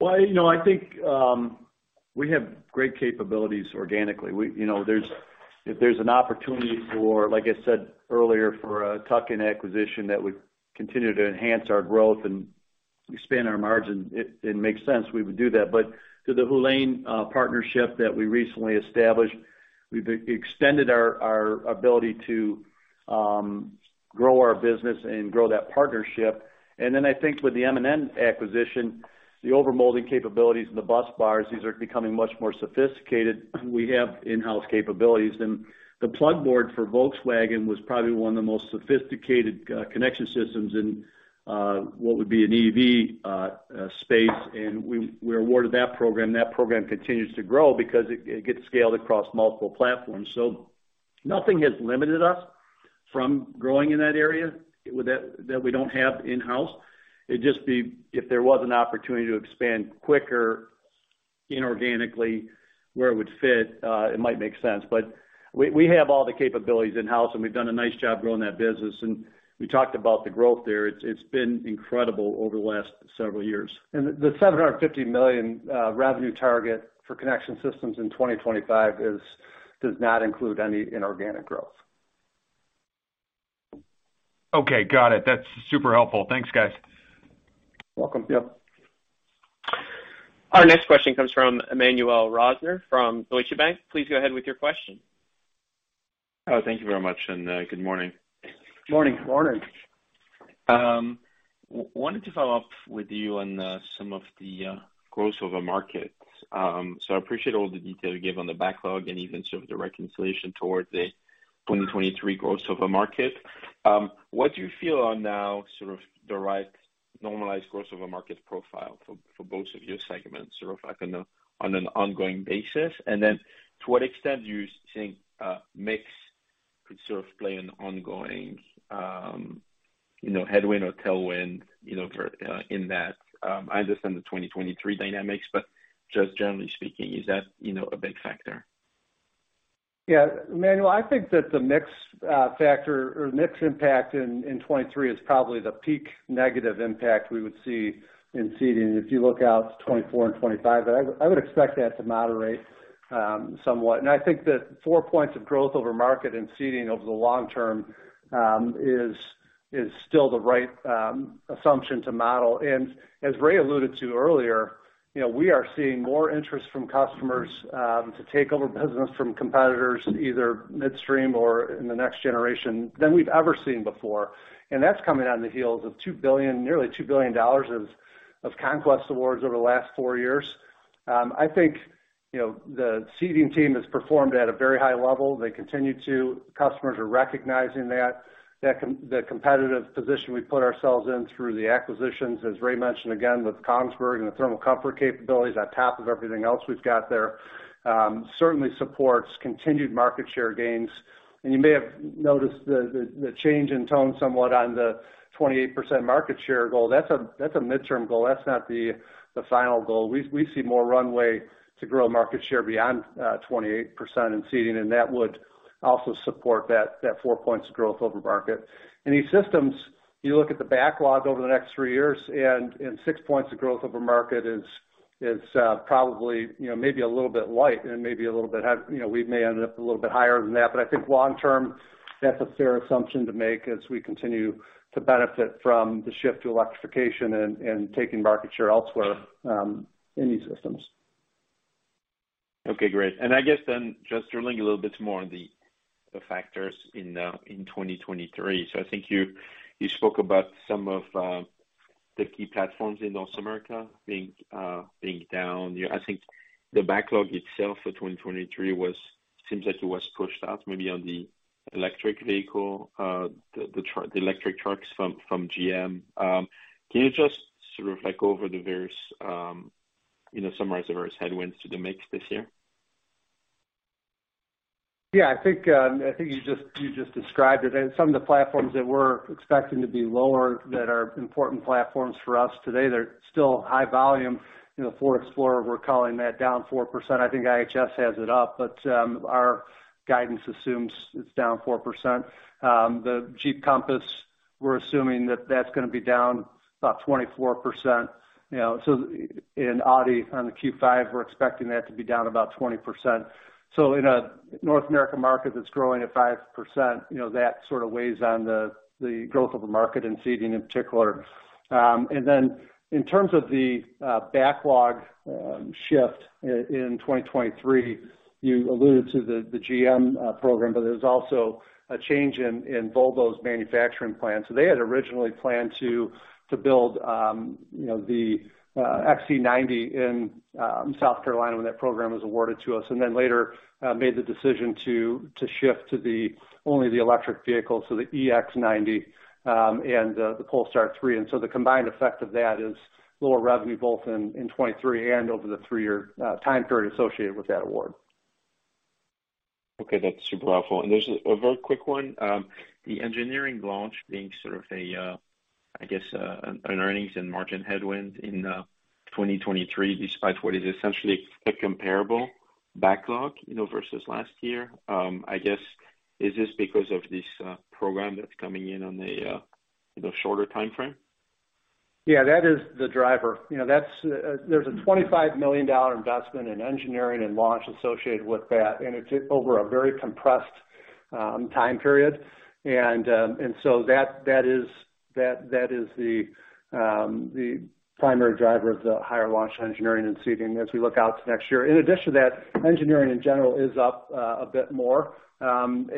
Well, you know, I think, we have great capabilities organically. You know, there's, if there's an opportunity for, like I said earlier, for a tuck-in acquisition that would continue to enhance our growth and expand our margin, it makes sense we would do that. To the Hu Lane partnership that we recently established, we've extended our ability to grow our business and grow that partnership. I think with the M&N acquisition, the over molding capabilities and the busbars, these are becoming much more sophisticated. We have in-house capabilities. The Plugboard for Volkswagen was probably one of the most sophisticated connection systems in what would be an EV space. We were awarded that program. That program continues to grow because it gets scaled across multiple platforms. Nothing has limited us from growing in that area with that we don't have in-house. It'd just be if there was an opportunity to expand quicker inorganically where it would fit, it might make sense. We have all the capabilities in-house, and we've done a nice job growing that business. We talked about the growth there. It's, it's been incredible over the last several years. The $750 million revenue target for connection systems in 2025 does not include any inorganic growth. Okay. Got it. That's super helpful. Thanks, guys. Welcome. Yep. Our next question comes from Emmanuel Rosner from Deutsche Bank. Please go ahead with your question. Oh, thank you very much, and good morning. Morning. Morning. Wanted to follow up with you on some of the growth over markets. I appreciate all the detail you gave on the backlog and even sort of the reconciliation towards the 2023 growth over market. What do you feel are now sort of the right normalized growth over market profile for both of your segments, sort of like on an ongoing basis? Then to what extent do you think mix could sort of play an ongoing, you know, headwind or tailwind, you know, for in that? I understand the 2023 dynamics, but just generally speaking, is that, you know, a big factor? Yeah, Emmanuel, I think that the mix factor or mix impact in 2023 is probably the peak negative impact we would see in Seating. If you look out to 2024 and 2025, I would expect that to moderate somewhat. I think that four points of growth over market and Seating over the long term is still the right assumption to model. As Ray alluded to earlier, you know, we are seeing more interest from customers to take over business from competitors, either midstream or in the next generation than we've ever seen before. That's coming on the heels of $2 billion, nearly $2 billion of conquest awards over the last four years. I think, you know, the Seating team has performed at a very high level. They continue to. Customers are recognizing that, the competitive position we put ourselves in through the acquisitions, as Ray mentioned again, with Kongsberg and the thermal comfort capabilities on top of everything else we've got there, certainly supports continued market share gains. You may have noticed the change in tone somewhat on the 28% market share goal. That's a midterm goal. That's not the final goal. We see more runway to grow market share beyond 28% in Seating, and that would also support that 4 points of growth over market. E-Systems, you look at the backlog over the next three years and 6 points of growth over market is probably, you know, maybe a little bit light and maybe a little bit, you know, we may end up a little bit higher than that. I think long term, that's a fair assumption to make as we continue to benefit from the shift to electrification and taking market share elsewhere, in E-Systems. Okay, great. I guess then just drilling a little bit more on the factors in 2023. I think you spoke about some of the key platforms in North America being down. You know, I think the backlog itself for 2023 seems like it was pushed out maybe on the electric vehicle, the electric trucks from GM. Can you just sort of like go over the various, you know, summarize the various headwinds to the mix this year? I think you just described it. Some of the platforms that we're expecting to be lower that are important platforms for us today, they're still high volume. You know, Ford Explorer, we're calling that down 4%. I think IHS has it up, but our guidance assumes it's down 4%. The Jeep Compass, we're assuming that that's gonna be down about 24%. You know, in Audi on the Q5, we're expecting that to be down about 20%. In a North American market that's growing at 5%, you know, that sort of weighs on the growth of the market, in seating in particular. In terms of the backlog shift in 2023, you alluded to the GM program, but there's also a change in Volvo's manufacturing plan. They had originally planned to build, you know, the XC90 in South Carolina when that program was awarded to us, and then later made the decision to shift to only the electric vehicle, so the EX90, and the Polestar 3. The combined effect of that is lower revenue both in 2023 and over the three-year time period associated with that award. Okay, that's super helpful. There's a very quick one. The engineering launch being sort of a, I guess, an earnings and margin headwind in 2023, despite what is essentially a comparable backlog, you know, versus last year. I guess, is this because of this program that's coming in on a, you know, shorter timeframe? Yeah, that is the driver. You know, that's, there's a $25 million investment in engineering and launch associated with that, and it's over a very compressed time period. That is the primary driver of the higher launch engineering and seating as we look out to next year. In addition to that, engineering in general is up a bit more, and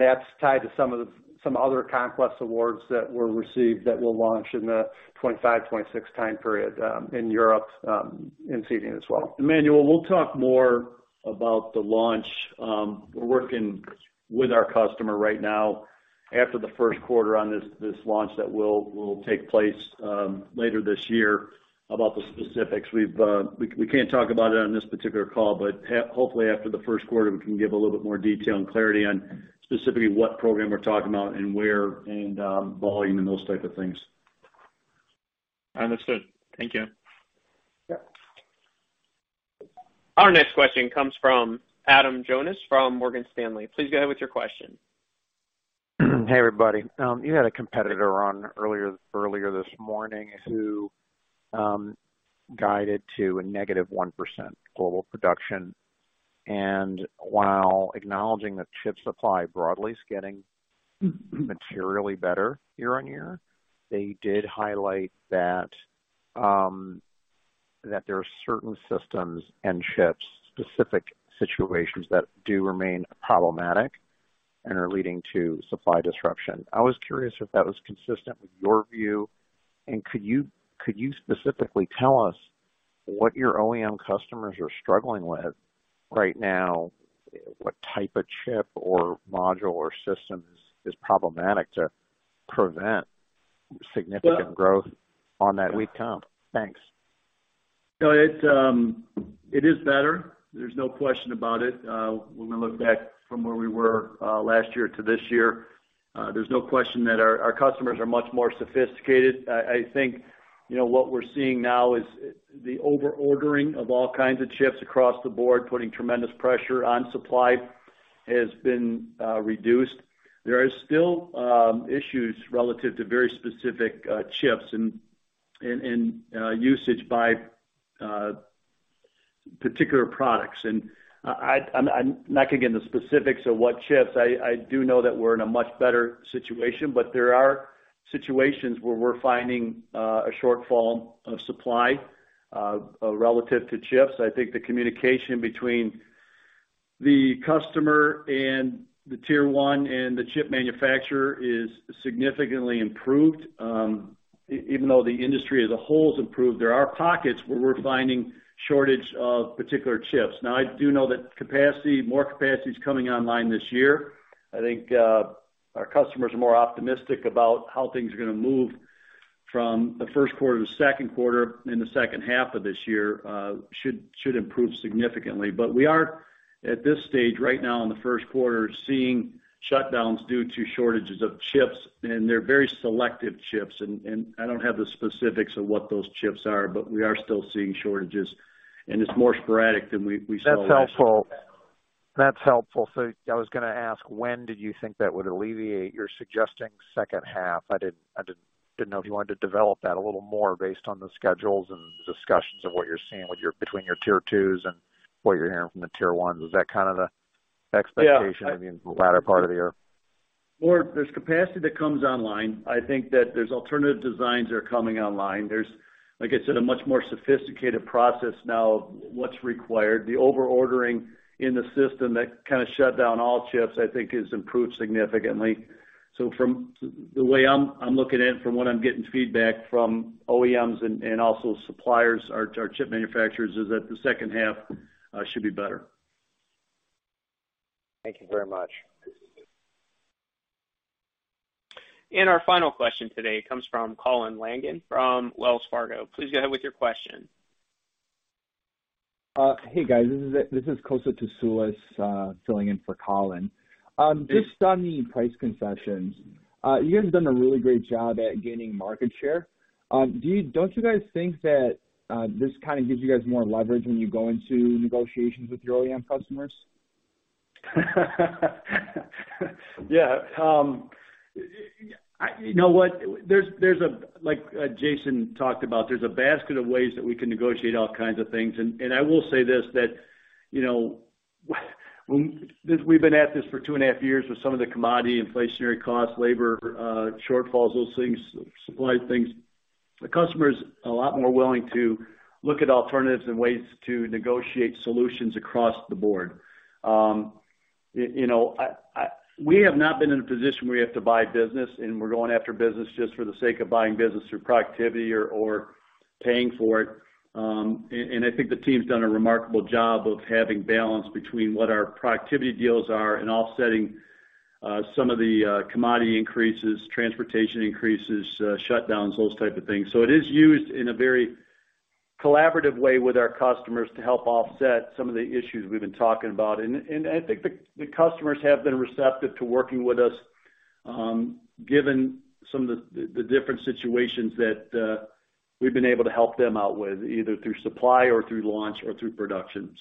that's tied to some other conquest awards that were received that we'll launch in the 2025, 2026 time period, in Europe, in Seating as well. Emmanuel, we'll talk more about the launch, we're working with our customer right now after the Q1 on this launch that will take place later this year, about the specifics. We've, we can't talk about it on this particular call, but hopefully after the Q1, we can give a little bit more detail and clarity on specifically what program we're talking about and where and, volume and those type of things. Understood. Thank you. Yeah. Our next question comes from Adam Jonas from Morgan Stanley. Please go ahead with your question. Hey, everybody. You had a competitor on earlier this morning who guided to a negative 1% global production. While acknowledging that chip supply broadly is getting materially better year-over-year, they did highlight that there are certain systems and chips, specific situations that do remain problematic and are leading to supply disruption. I was curious if that was consistent with your view. Could you specifically tell us what your OEM customers are struggling with right now? What type of chip or module or system is problematic to prevent significant growth on that weak comp? Thanks. It is better. There's no question about it. When we look back from where we were last year to this year, there's no question that our customers are much more sophisticated. I think, you know, what we're seeing now is the over-ordering of all kinds of chips across the board, putting tremendous pressure on supply, has been reduced. There are still issues relative to very specific chips and usage by particular products. I'm not gonna get into specifics of what chips. I do know that we're in a much better situation, but there are situations where we're finding a shortfall of supply relative to chips. I think the communication between The customer and the Tier 1 and the chip manufacturer is significantly improved. Even though the industry as a whole has improved, there are pockets where we're finding shortage of particular chips. I do know that capacity, more capacity is coming online this year. I think our customers are more optimistic about how things are gonna move from the Q1 to the Q2, and the H2 of this year should improve significantly. We are, at this stage right now in the Q1, seeing shutdowns due to shortages of chips, and they're very selective chips. I don't have the specifics of what those chips are, but we are still seeing shortages, and it's more sporadic than we saw last year. That's helpful. I was gonna ask, when did you think that would alleviate? You're suggesting H2. I didn't know if you wanted to develop that a little more based on the schedules and discussions of what you're seeing between your Tier 2s and what you're hearing from the Tier 1s is that kind of the expectation- Yeah. ...in the latter part of the year? There's capacity that comes online. I think that there's alternative designs that are coming online. There's, like I said, a much more sophisticated process now of what's required. The over-ordering in the system that kind of shut down all chips, I think has improved significantly. From the way I'm looking in, from what I'm getting feedback from OEMs and also suppliers, our chip manufacturers, is that the H2 should be better. Thank you very much. Our final question today comes from Colin Langan from Wells Fargo. Please go ahead with your question. Hey, guys. This is, filling in for Colin. Just on the price concessions, you guys have done a really great job at gaining market share. Don't you guys think that this kind of gives you guys more leverage when you go into negotiations with your OEM customers? Yeah. You know what? There's a, like Jason talked about, there's a basket of ways that we can negotiate all kinds of things. I will say this, that, you know, We've been at this for two and a half years with some of the commodity inflationary costs, labor, shortfalls, those things, supply things. The customer is a lot more willing to look at alternatives and ways to negotiate solutions across the board. You know, we have not been in a position where we have to buy business and we're going after business just for the sake of buying business through productivity or paying for it. I think the team's done a remarkable job of having balance between what our productivity deals are and offsetting some of the commodity increases, transportation increases, shutdowns, those type of things. It is used in a very collaborative way with our customers to help offset some of the issues we've been talking about. I think the customers have been receptive to working with us given some of the different situations that we've been able to help them out with, either through supply or through launch or through production.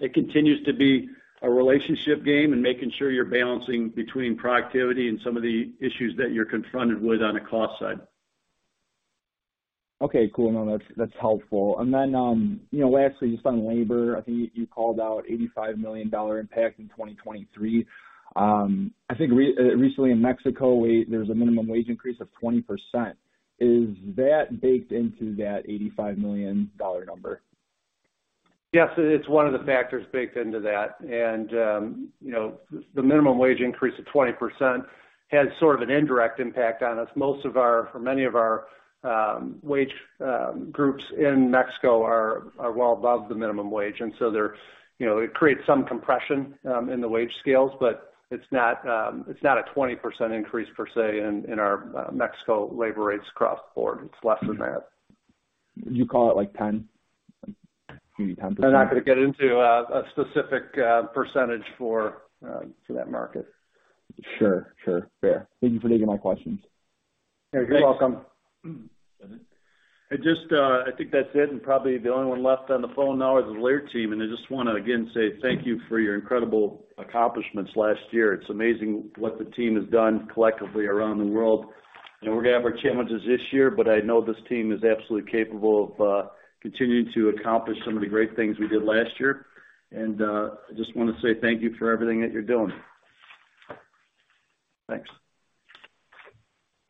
It continues to be a relationship game and making sure you're balancing between productivity and some of the issues that you're confronted with on a cost side. Okay, cool. No, that's helpful. You know, lastly, just on labor, I think you called out $85 million impact in 2023. I think recently in Mexico, there's a minimum wage increase of 20%. Is that baked into that $85 million number? Yes, it's one of the factors baked into that. You know, the minimum wage increase of 20% has sort of an indirect impact on us. For many of our wage groups in Mexico are well above the minimum wage, you know, it creates some compression in the wage scales, but it's not a 20% increase per se in our Mexico labor rates across the board. It's less than that. You call it like 10? Maybe 10%. I'm not gonna get into, a specific, percentage for that market. Sure. Fair. Thank you for taking my questions. You're welcome. I just, I think that's it, and probably the only one left on the phone now is the Lear team, and I just wanna, again, say thank you for your incredible accomplishments last year. It's amazing what the team has done collectively around the world. You know, we're gonna have our challenges this year, but I know this team is absolutely capable of continuing to accomplish some of the great things we did last year. I just wanna say thank you for everything that you're doing. Thanks.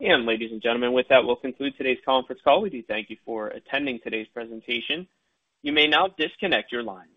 Ladies and gentlemen, with that, we'll conclude today's conference call. We do thank you for attending today's presentation. You may now disconnect your lines.